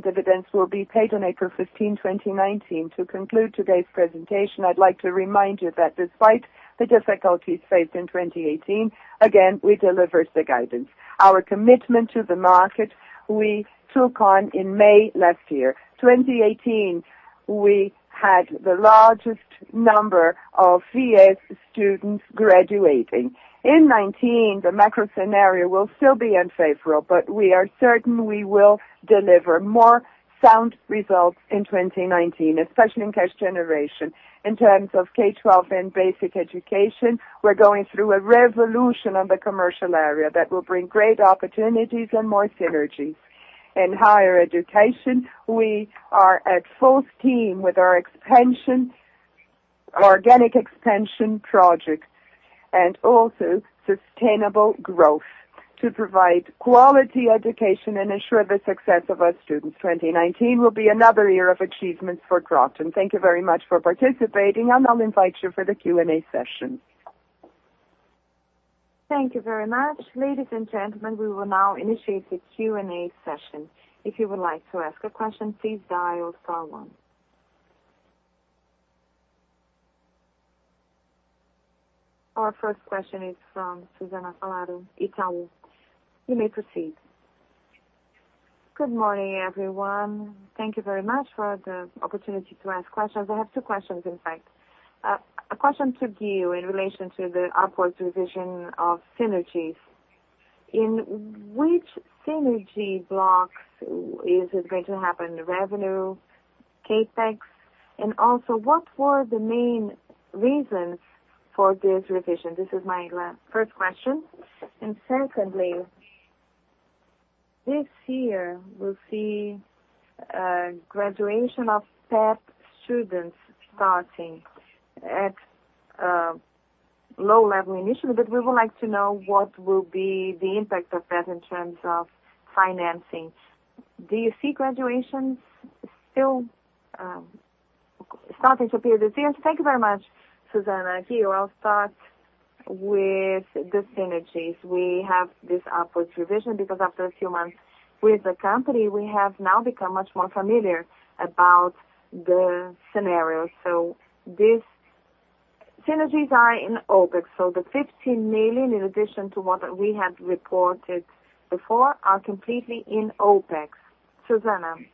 B: Dividends will be paid on April 15, 2019. To conclude today's presentation, I'd like to remind you that despite the difficulties faced in 2018, again, we delivered the guidance. Our commitment to the market we took on in May last year. In 2018, we had the largest number of FIES students graduating. In 2019, the macro scenario will still be unfavorable, but we are certain we will deliver more sound results in 2019, especially in cash generation. In terms of K12 and basic education, we're going through a revolution on the commercial area that will bring great opportunities and more synergies. In higher education, we are at full steam with our organic expansion project and also sustainable growth to provide quality education and ensure the success of our students. 2019 will be another year of achievement for Kroton. Thank you very much for participating. I'll invite you for the Q&A session.
A: Thank you very much. Ladies and gentlemen, we will now initiate the Q&A session. If you would like to ask a question, please dial star one. Our first question is from Suzana Favero, Itaú. You may proceed.
F: Good morning, everyone. Thank you very much for the opportunity to ask questions. I have two questions, in fact. A question to you in relation to the upward revision of synergies. In which synergy blocks is it going to happen? The revenue, CapEx? What were the main reasons for this revision? This is my first question. Secondly, this year will see a graduation of FIES students starting at a low level initially. We would like to know what will be the impact of that in terms of financing. Do you see graduation still starting to appear this year?
B: Thank you very much, Suzana. Here, I'll start with the synergies. We have this upward revision because after a few months with the company, we have now become much more familiar about the scenario. These synergies are in OpEx. The 15 million, in addition to what we had reported before, are completely in OpEx.
E: Suzana.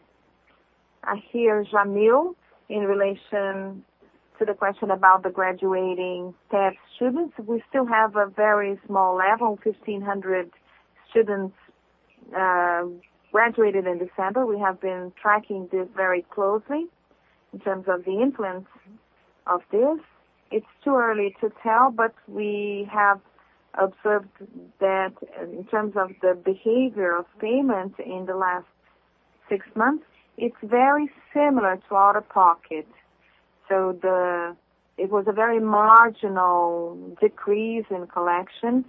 E: Here, Jamil. In relation to the question about the graduating FIES students, we still have a very small level, 1,500 students graduated in December. We have been tracking this very closely in terms of the influence of this. It's too early to tell, we have observed that in terms of the behavior of payment in the last six months, it's very similar to out-of-pocket. It was a very marginal decrease in collection,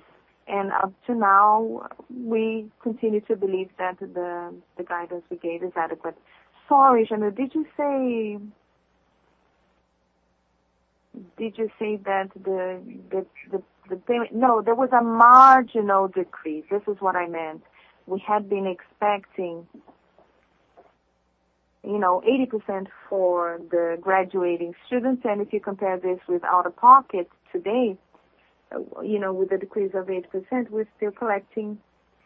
E: up to now, we continue to believe that the guidance we gave is adequate.
F: Sorry, Jamil, did you say that the payment?
E: No, there was a marginal decrease. This is what I meant. We had been expecting 80% for the graduating students, if you compare this with out-of-pocket today, with the decrease of 8%, we're still collecting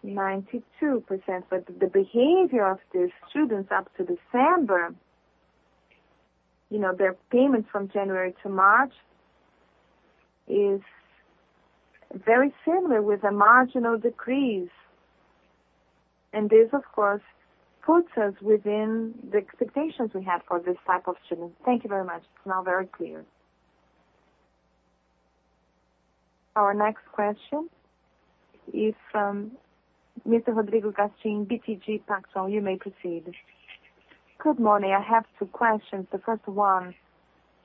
E: 92%. The behavior of the students up to December, their payments from January to March, is very similar with a marginal decrease. This, of course, puts us within the expectations we have for this type of student.
F: Thank you very much. It's now very clear.
A: Our next question is from Mr. Rodrigo Gastim, BTG Pactual. You may proceed.
G: Good morning. I have two questions. The first one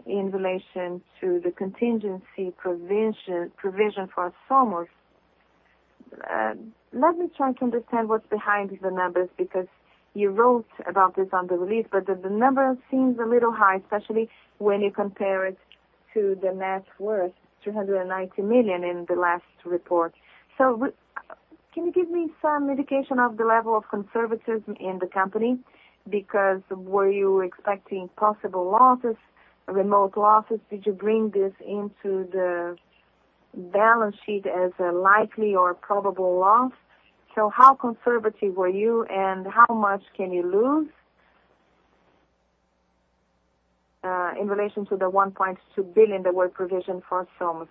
G: in relation to the contingency provision for Somos. Let me try to understand what's behind the numbers, because you wrote about this on the release, but the number seems a little high, especially when you compare it to the net worth, 290 million in the last report. Can you give me some indication of the level of conservatism in the company? Because were you expecting possible losses, remote losses? Did you bring this into the balance sheet as a likely or probable loss? How conservative were you, how much can you lose in relation to the 1.2 billion that were provisioned for Somos?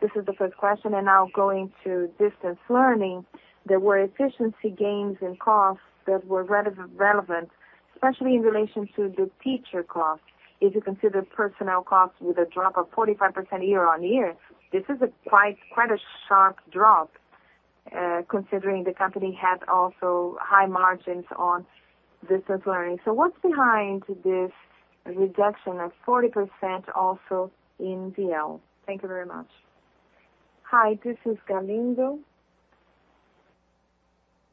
G: This is the first question. Now going to distance learning, there were efficiency gains in costs that were relevant, especially in relation to the teacher costs. If you consider personnel costs with a drop of 45% year-on-year, this is quite a sharp drop considering the company had also high margins on distance learning. What's behind this reduction of 40% also in DL? Thank you very much.
B: Hi, this is Galindo.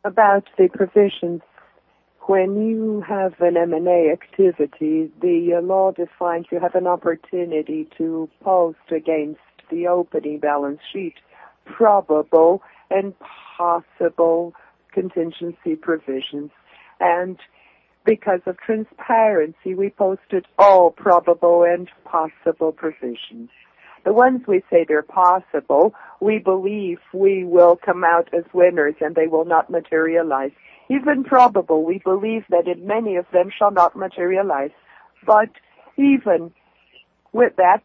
B: About the provisions, when you have an M&A activity, the law defines you have an opportunity to post against the opening balance sheet, probable and possible contingency provisions. Because of transparency, we posted all probable and possible provisions. The ones we say they're possible, we believe we will come out as winners, and they will not materialize. Even probable, we believe that many of them shall not materialize. Even with that,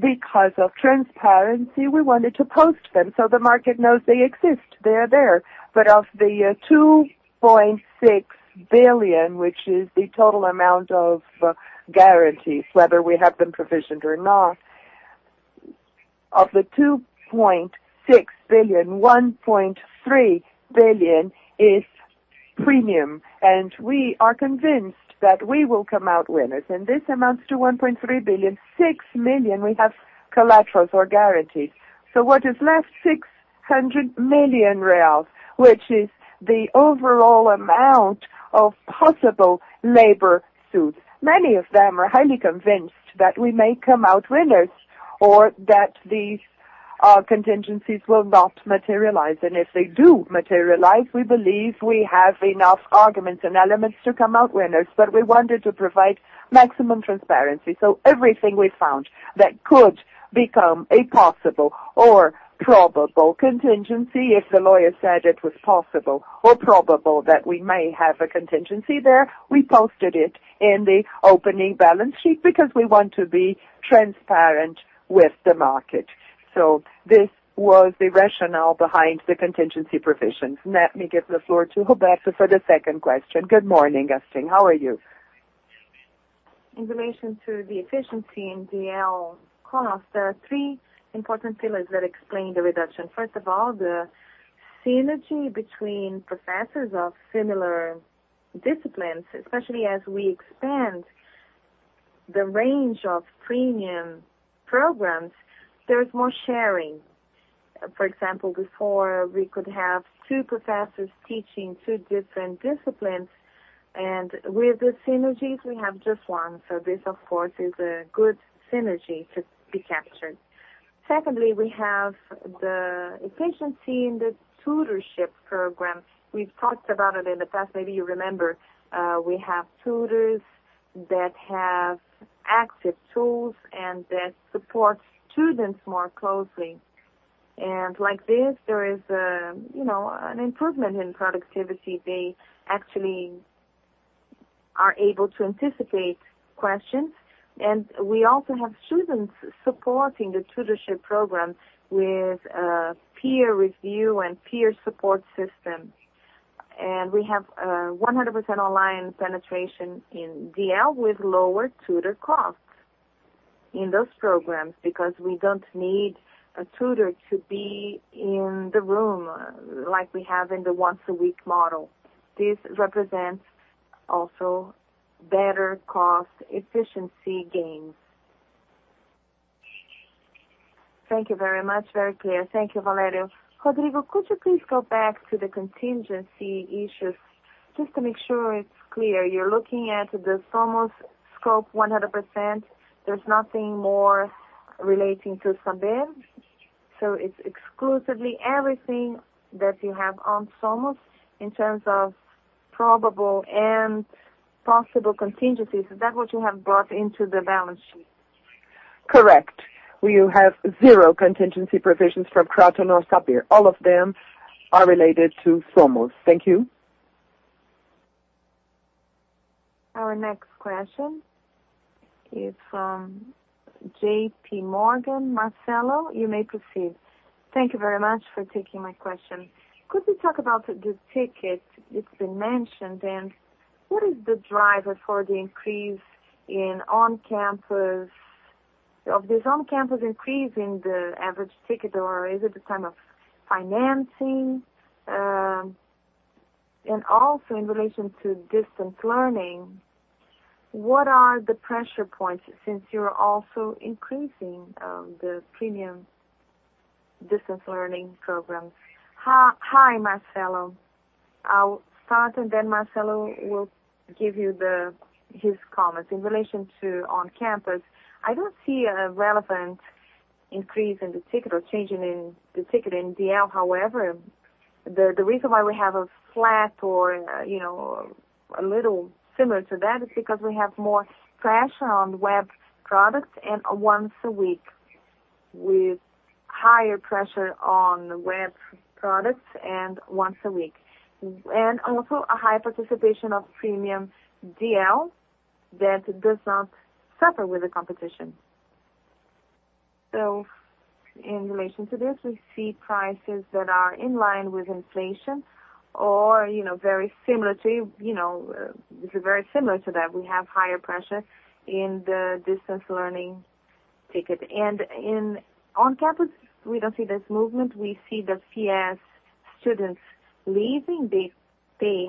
B: because of transparency, we wanted to post them so the market knows they exist. They are there. Of the 2.6 billion, which is the total amount of guarantees, whether we have them provisioned or not. Of the 2.6 billion, 1.3 billion is premium, and we are convinced that we will come out winners, and this amounts to 1.3 billion. 6 million we have collateral for guarantees. What is left, 600 million reais, which is the overall amount of possible labor suits. Many of them are highly convinced that we may come out winners, or that the, our contingencies will not materialize. If they do materialize, we believe we have enough arguments and elements to come out winners. We wanted to provide maximum transparency. Everything we found that could become a possible or probable contingency, if the lawyer said it was possible or probable that we may have a contingency there, we posted it in the opening balance sheet because we want to be transparent with the market. This was the rationale behind the contingency provisions. Let me give the floor to Roberto for the second question.
H: Good morning, Gastim. How are you? In relation to the efficiency in DL costs, there are three important pillars that explain the reduction. First of all, the synergy between professors of similar disciplines, especially as we expand the range of premium programs, there is more sharing. For example, before, we could have two professors teaching two different disciplines, and with this synergy, we have just one. This, of course, is a good synergy to be captured. Secondly, we have the efficiency in the tutorship program. We've talked about it in the past, maybe you remember. We have tutors that have access tools and that support students more closely. Like this, there is an improvement in productivity. They actually are able to anticipate questions. We also have students supporting the tutorship program with peer review and peer support systems. We have 100% online penetration in DL with lower tutor costs in those programs because we don't need a tutor to be in the room like we have in the once-a-week model. This represents also better cost-efficiency gains.
G: Thank you very much. Very clear. Thank you, Valério. Rodrigo, could you please go back to the contingency issues just to make sure it's clear? You're looking at the Somos scope 100%. There's nothing more relating to Saber. It's exclusively everything that you have on Somos in terms of probable and possible contingencies. Is that what you have brought into the balance sheet?
B: Correct. We have zero contingency provisions from Kroton or Saber. All of them are related to Somos. Thank you.
A: Our next question is from JPMorgan. Marcelo, you may proceed.
I: Thank you very much for taking my question. What is the driver for the increase in on-campus of this on-campus increase in the average ticket? Is it a kind of financing? Also in relation to distance learning, what are the pressure points since you're also increasing the premium distance learning program?
B: Hi, Marcelo. I'll start, then Marcelo will give you his comments. In relation to on-campus, I don't see a relevant increase in the ticket or change in the ticket in DL. However, the reason why we have a flat or a little similar to that is because we have more pressure on web products and a once-a-week, with higher pressure on the web products and once-a-week. Also a high participation of premium DL that does not suffer with the competition. In relation to this, we see prices that are in line with inflation or very similar to that. We have higher pressure in the distance learning ticket. In on-campus, we don't see this movement. We see that FIES students leaving the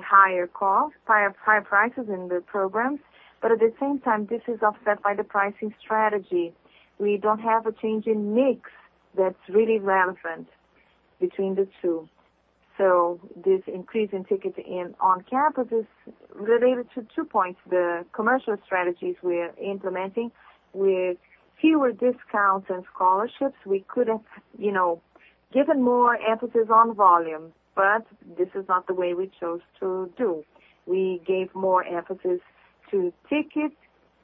B: higher cost, higher prices in the program. At the same time, this is offset by the pricing strategy. We don't have a change in mix that's really relevant between the two. This increase in ticketing in on-campus is related to two points. The commercial strategies we are implementing with fewer discounts and scholarships. We could have given more emphasis on volume, but this is not the way we chose to do. We gave more emphasis to ticket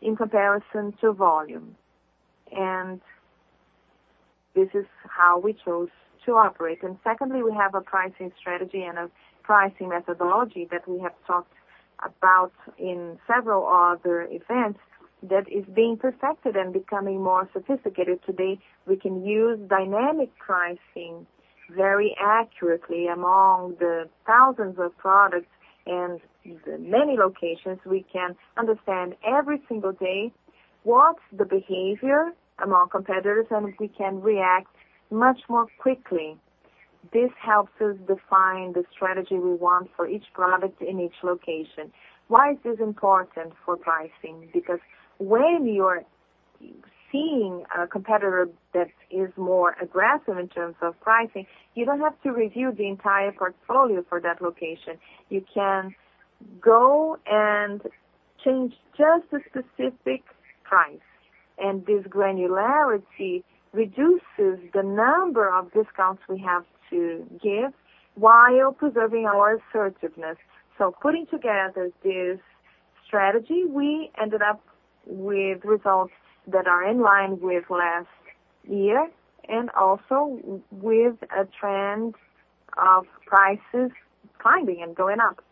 B: in comparison to volume, and this is how we chose to operate. Secondly, we have a pricing strategy and a pricing methodology that we have talked about in several other events that is being perfected and becoming more sophisticated. Today, we can use dynamic pricing very accurately among the thousands of products and many locations. We can understand every single day what the behavior among competitors is, and we can react much more quickly. This helps us define the strategy we want for each product in each location. Why is this important for pricing? When you're seeing a competitor that is more aggressive in terms of pricing, you don't have to review the entire portfolio for that location. You can go and change just the specific price. This granularity reduces the number of discounts we have to give while preserving our attractiveness. Putting together this strategy, we ended up with results that are in line with last year and also with a trend of prices climbing and going up.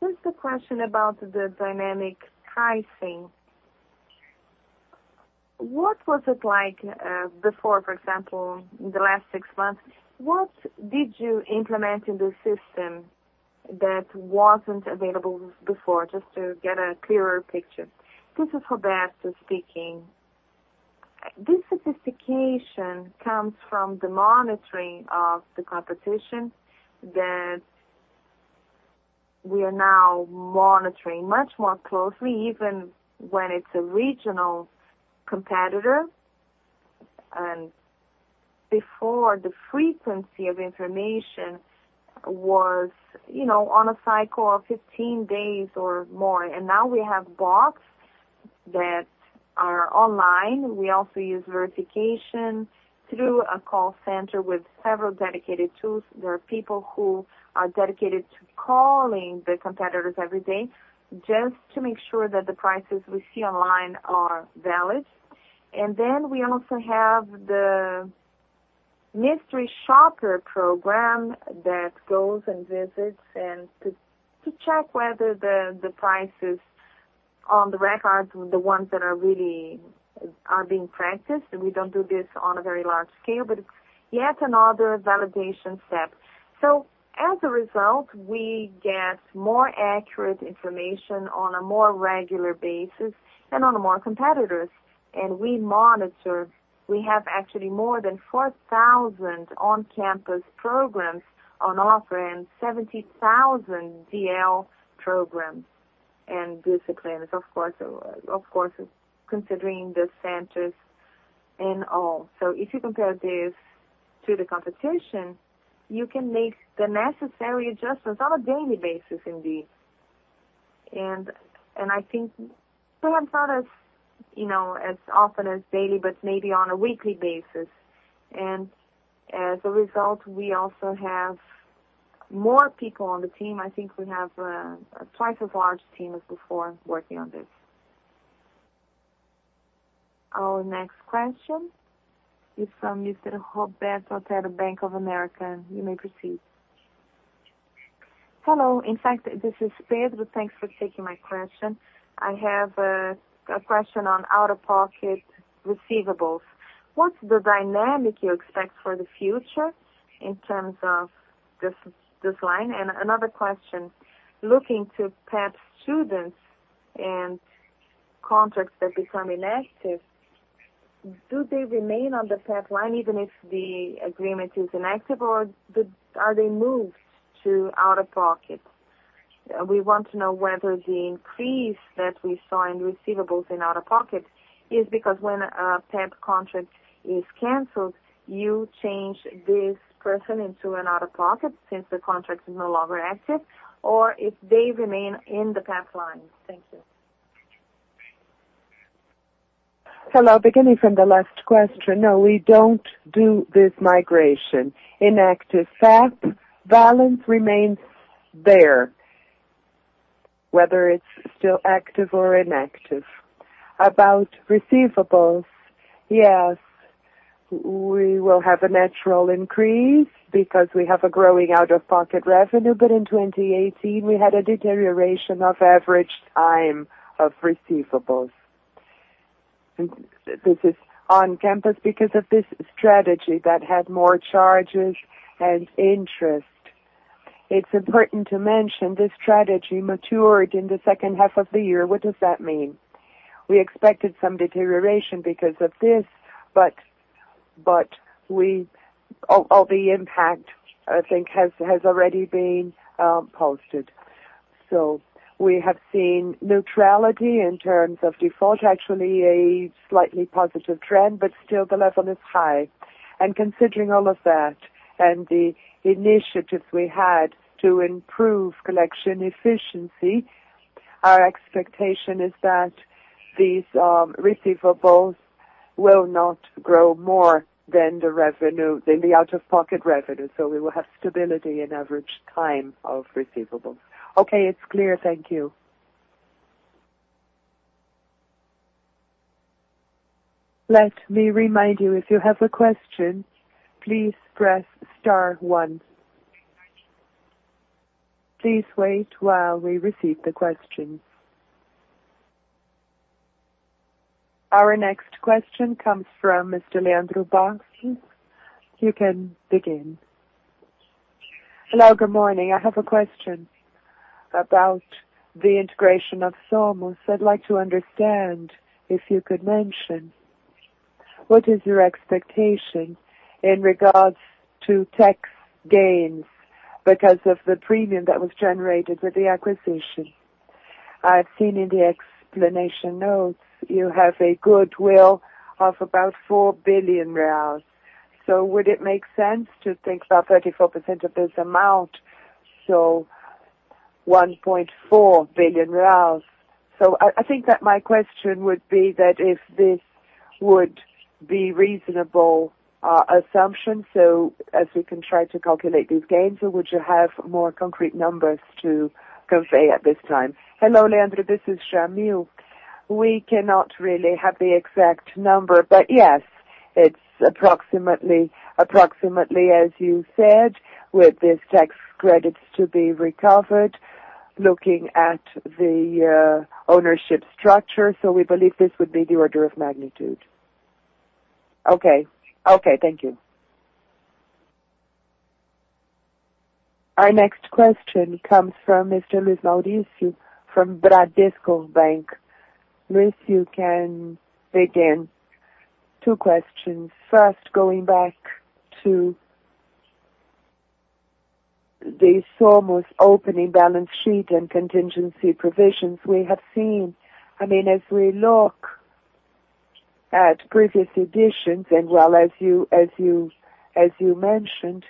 I: Here's the question about the dynamic pricing. What was it like before, for example, the last six months? What did you implement in the system that wasn't available before, just to get a clearer picture?
H: This is Roberto speaking. This sophistication comes from the monitoring of the competition that we are now monitoring much more closely, even when it's a regional competitor. Before, the frequency of information was on a cycle of 15 days or more. Now we have bots that are online. We also use verification through a call center with several dedicated tools, where people who are dedicated to calling the competitors every day, just to make sure that the prices we see online are valid. Then we also have the mystery shopper program that goes and visits, and to check whether the prices on the records are the ones that really are being practiced. We don't do this on a very large scale, but it's yet another validation step. As a result, we get more accurate information on a more regular basis and on more competitors. We have actually more than 4,000 on-campus programs on offer and 17,000 DL programs. This includes, of course, considering the centers in all. If you compare this to the competition, you can make the necessary adjustments on a daily basis, Indy. I think sometimes as often as daily, but maybe on a weekly basis. As a result, we also have more people on the team. I think we have twice as large team as before working on this.
A: Our next question is from Mr. Roberto Pedro, Bank of America. You may proceed.
J: Hello. In fact, this is Pedro. Thanks for taking my question. I have a question on out-of-pocket receivables. What's the dynamic you expect for the future in terms of this line? Another question, looking to PEP students and contracts that become inactive, do they remain on the PEP line even if the agreement is inactive, or are they moved to out-of-pocket? We want to know whether the increase that we saw in receivables in out-of-pocket is because when a PEP contract is canceled, you change this person into an out-of-pocket since the contract is no longer active, or if they remain in the PEP line. Thank you.
E: Hello. Beginning from the last question. No, we don't do this migration. Inactive PEP balance remains there, whether it's still active or inactive. About receivables, yes, we will have a natural increase because we have a growing out-of-pocket revenue. In 2018, we had a deterioration of average time of receivables. This is on campus because of this strategy that had more charges and interest. It's important to mention this strategy matured in the second half of the year. What does that mean? We expected some deterioration because of this, but all the impact, I think, has already been posted. We have seen neutrality in terms of default, actually a slightly positive trend, but still the level is high. Considering all of that and the initiatives we had to improve collection efficiency, our expectation is that these receivables will not grow more than the out-of-pocket revenue. We will have stability in average time of receivables.
J: Okay, it's clear. Thank you.
A: Let me remind you, if you have a question, please press star one. Please wait while we receive the questions. Our next question comes from Mr. Leandro Bastos. You can begin.
K: Hello, good morning. I have a question about the integration of Somos. I'd like to understand, if you could mention, what is your expectation in regards to tax gains because of the premium that was generated with the acquisition? I've seen in the explanation notes you have a goodwill of about 4 billion reais. Would it make sense to think about 34% of this amount, 1.4 billion reais? I think that my question would be that if this would be reasonable assumption, as we can try to calculate these gains, or would you have more concrete numbers to convey at this time?
E: Hello, Leandro, this is Jamil. We cannot really have the exact number, but yes, it's approximately as you said, with these tax credits to be recovered, looking at the ownership structure. We believe this would be the order of magnitude.
K: Okay. Thank you.
A: Our next question comes from Mr. Luiz Mauricio from Bradesco BBI. Luiz, you can begin.
L: Two questions. First, going back to the Somos opening balance sheet and contingency provisions we have seen. As we look at previous editions, and while as you mentioned,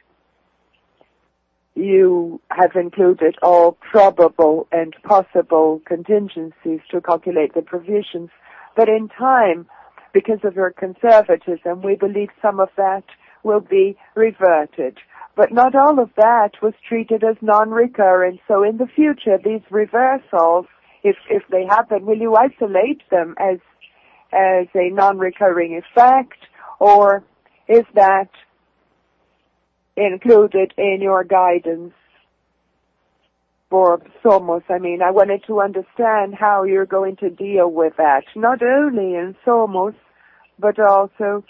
L: you have included all probable and possible contingencies to calculate the provisions. But in time, because of your conservatism, we believe some of that will be reverted. But not all of that was treated as non-recurring. In the future, these reversals, if they happen, will you isolate them as a non-recurring effect, or is that included in your guidance for Somos? I wanted to understand how you're going to deal with that, not only in Somos, but also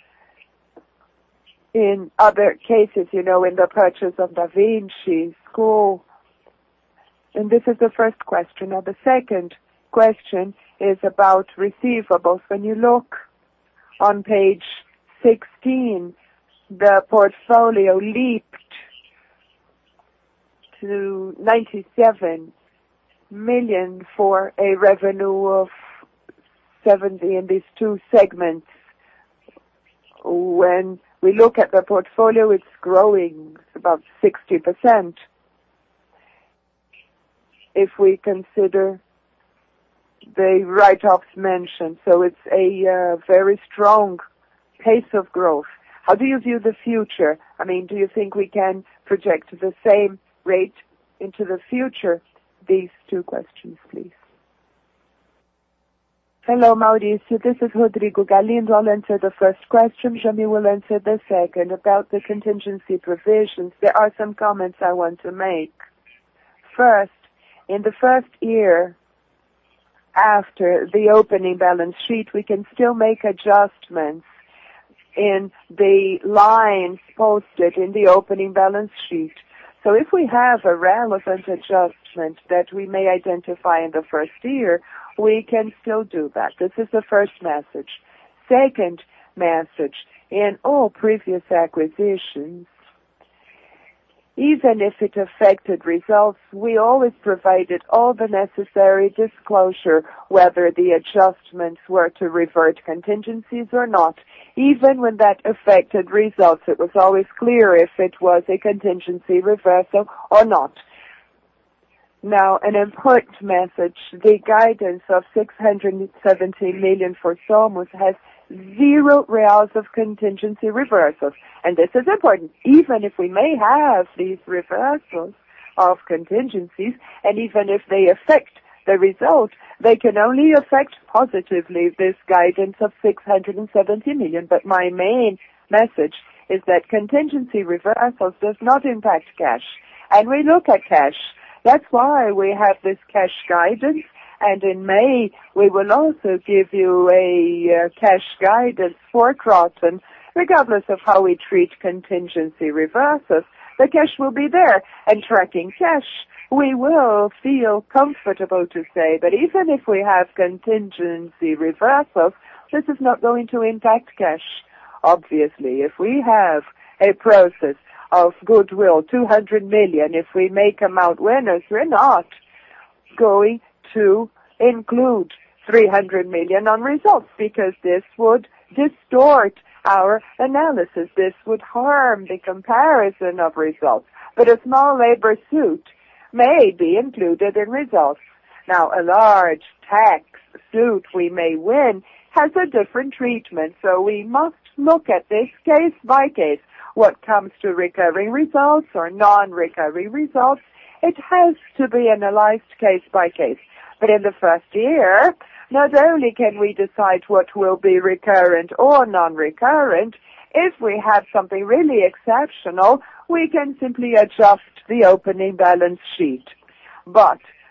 L: in other cases, in the purchase of Leonardo da Vinci School. This is the first question. The second question is about receivables. When you look on page 16, the portfolio leaped to 97 million for a revenue of 70 in these two segments. When we look at the portfolio, it's growing about 60%, if we consider the write-offs mentioned. It's a very strong pace of growth. How do you view the future? Do you think we can project the same rate into the future? These two questions, please.
B: Hello, Mauricio. This is Rodrigo Galindo. I'll answer the first question. Jamil will answer the second. About the contingency provisions, there are some comments I want to make. First, in the first year after the opening balance sheet, we can still make adjustments in the lines posted in the opening balance sheet. If we have a relevant adjustment that we may identify in the first year, we can still do that. This is the first message. Second message, in all previous acquisitions, even if it affected results, we always provided all the necessary disclosure, whether the adjustments were to revert contingencies or not. Even when that affected results, it was always clear if it was a contingency reversal or not. An important message, the guidance of 670 million for Somos has zero BRL of contingency reversals, this is important. Even if we may have these reversals of contingencies, even if they affect the result, they can only affect positively this guidance of 670 million. My main message is that contingency reversals does not impact cash. We look at cash. That's why we have this cash guidance. In May, we will also give you a cash guidance for Kroton. Regardless of how we treat contingency reversals, the cash will be there. Tracking cash, we will feel comfortable to say that even if we have contingency reversals, this is not going to impact cash. Obviously, if we have a process of goodwill, 200 million, if we may come out winners, we're not going to include 300 million on results because this would distort our analysis. This would harm the comparison of results. A small labor suit may be included in results. A large tax suit we may win has a different treatment. We must look at this case by case. What comes to recovering results or non-recovery results, it has to be analyzed case by case. In the first year, not only can we decide what will be recurrent or non-recurrent, if we have something really exceptional, we can simply adjust the opening balance sheet.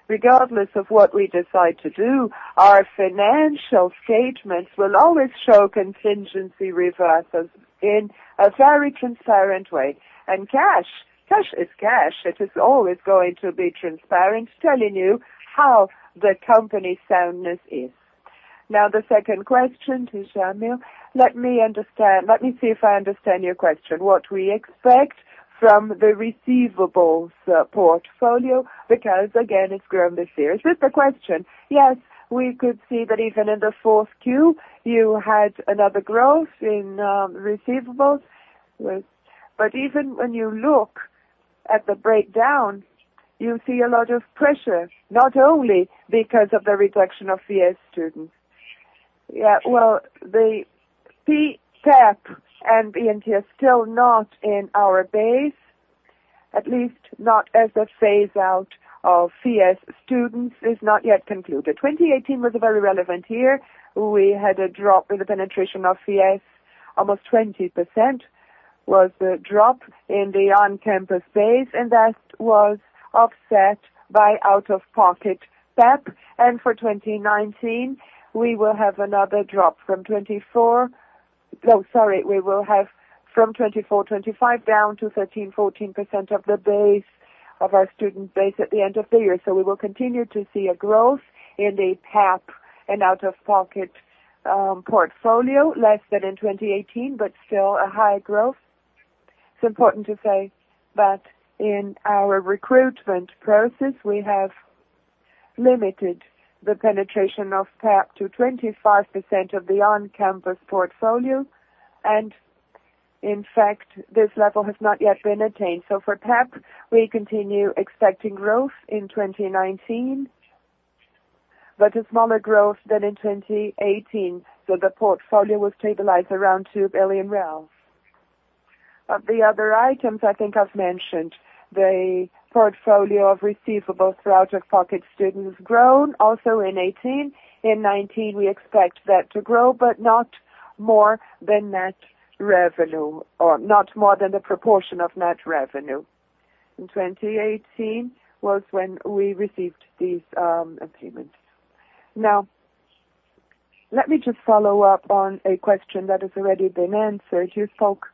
B: Regardless of what we decide to do, our financial statements will always show contingency reversals in a very transparent way. Cash, cash is cash. It is always going to be transparent, telling you how the company soundness is. Now the second question to Jamil.
E: Let me see if I understand your question. What we expect from the receivables portfolio, because again, it has grown this year. Is this the question? Yes, we could see that even in the 4Q, you had another growth in receivables. Even when you look at the breakdown, you see a lot of pressure, not only because of the reduction of FIES students. The fee cap and INT is still not in our base, at least not as a phase-out of FIES students is not yet concluded. 2018 was a very relevant year. We had a drop in the penetration of FIES. Almost 20% was the drop in the on-campus base. That was offset by out-of-pocket PEP. For 2019, we will have another drop. We will have from 24%-25% down to 13%-14% of our student base at the end of the year. We will continue to see a growth in the PEP and out-of-pocket portfolio, less than in 2018, but still a high growth. It is important to say that in our recruitment process, we have limited the penetration of PEP to 25% of the on-campus portfolio. In fact, this level has not yet been attained. For PEP, we continue expecting growth in 2019, but a smaller growth than in 2018. The portfolio will stabilize around 2 billion. The other items I think I have mentioned. The portfolio of receivables for out-of-pocket students grew also in 2018. In 2019, we expect that to grow, not more than the proportion of net revenue. In 2018 was when we received these payments.
L: Let me just follow up on a question that has already been answered. You spoke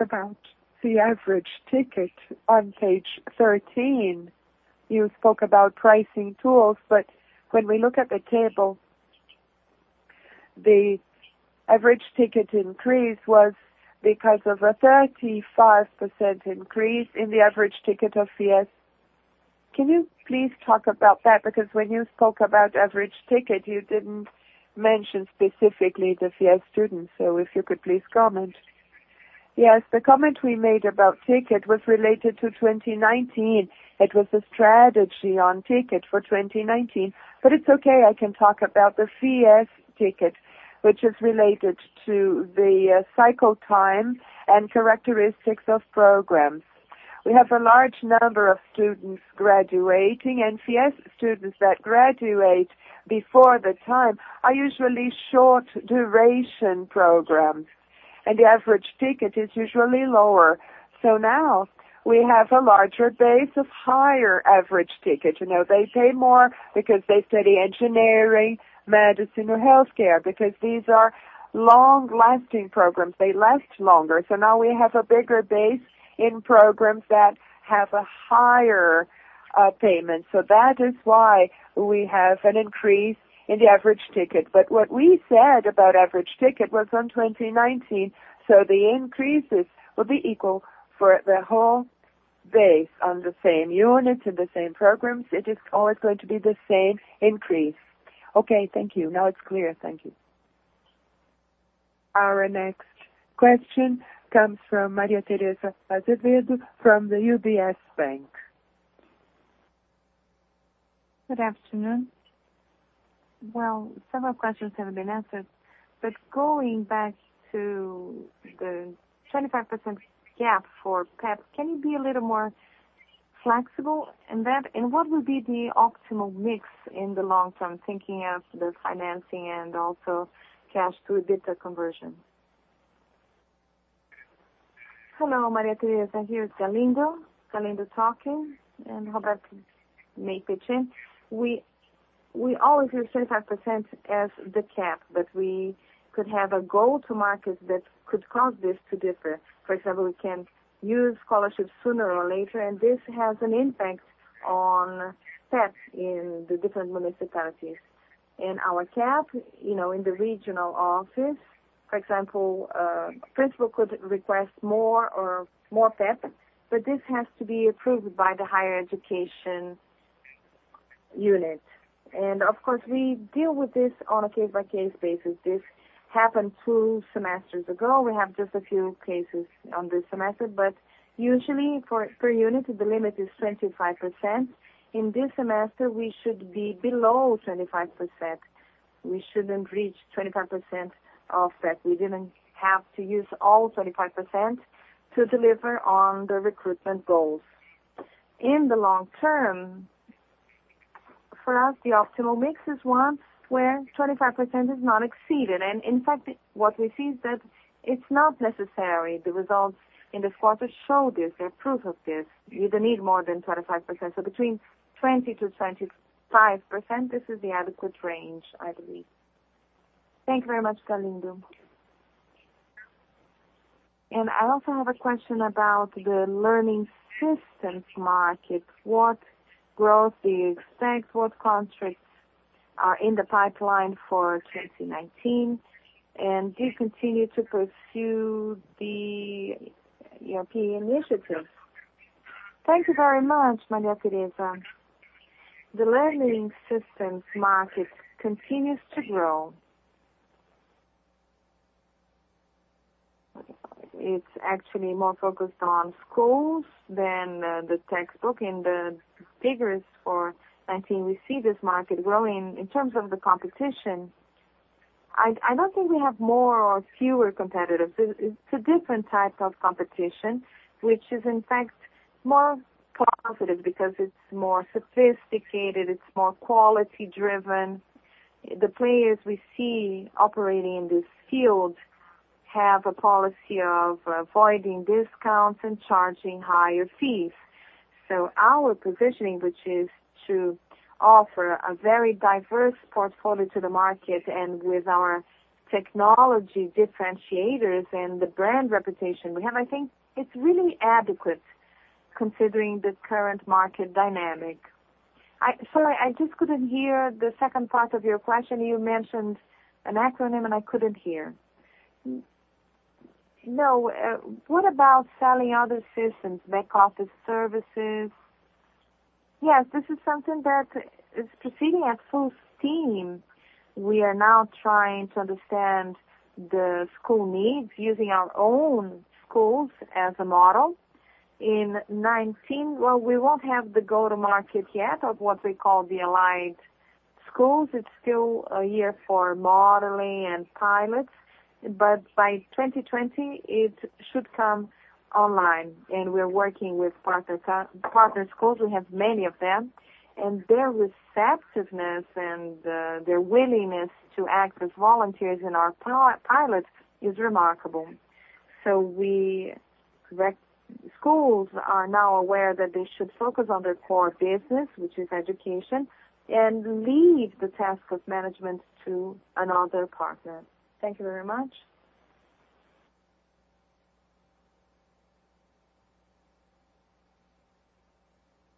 L: about the average ticket on page 13. You spoke about pricing tools, when we look at the table, the average ticket increase was because of a 35% increase in the average ticket of FIES. Can you please talk about that? Because when you spoke about average ticket, you did not mention specifically the FIES students. If you could please comment.
B: Yes, the comment we made about ticket was related to 2019. It was a strategy on ticket for 2019. It is okay, I can talk about the FIES ticket, which is related to the cycle time and characteristics of programs. We have a large number of students graduating. FIES students that graduate before the time are usually short-duration programs. The average ticket is usually lower. Now we have a larger base of higher average ticket. They pay more because they study engineering, medicine, or healthcare, because these are long-lasting programs. They last longer. Now we have a bigger base in programs that have a higher payment. That is why we have an increase in the average ticket. What we said about average ticket was on 2019. The increases will be equal for the whole base on the same units and the same programs. It is always going to be the same increase.
L: Okay. Thank you. Now it is clear. Thank you.
A: Our next question comes from Maria Tereza Azevedo from the UBS Bank.
M: Good afternoon. Well, some of the questions have been answered. Going back to the 25% cap for PEP, can you be a little more flexible in that? What would be the optimal mix in the long term, thinking of the financing and also cash to EBITDA conversion?
B: Hello, Maria Tereza. Here is Galindo talking. We always use 25% as the cap, but we could have a go-to-market that could cause this to differ. For example, we can use scholarships sooner or later, and this has an impact on PEP in the different municipalities. In our cap, in the regional office, for example, a principal could request more PEP, but this has to be approved by the higher education unit. Of course, we deal with this on a case-by-case basis. This happened two semesters ago. We have just a few cases on this semester, but usually for per unit, the limit is 25%. In this semester, we should be below 25%. We shouldn't reach 25% of that. We didn't have to use all 25% to deliver on the recruitment goals. In the long term, for us, the optimal mix is one where 25% is not exceeded. In fact, what we think that it's not necessary. The results in the quarter show this. They're proof of this. You don't need more than 25%. Between 20% to 25%, this is the adequate range, I believe.
M: Thank you very much, Galindo. And I also have a question about the learning systems market. What growth do you expect? What contracts are in the pipeline for 2019? Do you continue to pursue the European initiative?
B: Thank you very much, Maria Tereza. The learning systems market continues to grow. It's actually more focused on schools than the textbook, and the figures for 2019, we see this market growing. In terms of the competition, I don't think we have more or fewer competitors. It's a different type of competition, which is, in fact, more profitable because it's more sophisticated, it's more quality-driven. The players we see operating in this field have a policy of avoiding discounts and charging higher fees. Our positioning, which is to offer a very diverse portfolio to the market, and with our technology differentiators and the brand reputation we have, I think it's really adequate considering the current market dynamic.
M: Sorry, I just couldn't hear the second part of your question. You mentioned an acronym, and I couldn't hear. No. What about selling other systems, back-office services?
B: Yes, this is something that is proceeding at full steam. We are now trying to understand the school needs using our own schools as a model. In 2019, well, we won't have the go-to-market yet of what we call the Allied Schools. It's still a year for modeling and pilots. By 2020, it should come online, and we're working with partner schools. We have many of them, and their receptiveness and their willingness to act as volunteers in our pilot is remarkable. The schools are now aware that they should focus on their core business, which is education, and leave the task of management to another partner. Thank you very much.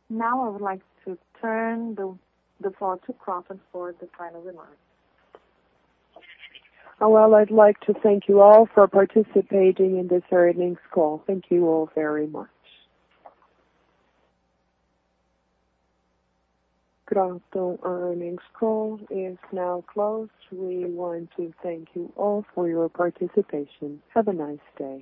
A: Now I would like to turn the floor to Kroton for the final remarks.
D: Well, I'd like to thank you all for participating in this earnings call. Thank you all very much.
A: Kroton earnings call is now closed. We want to thank you all for your participation. Have a nice day.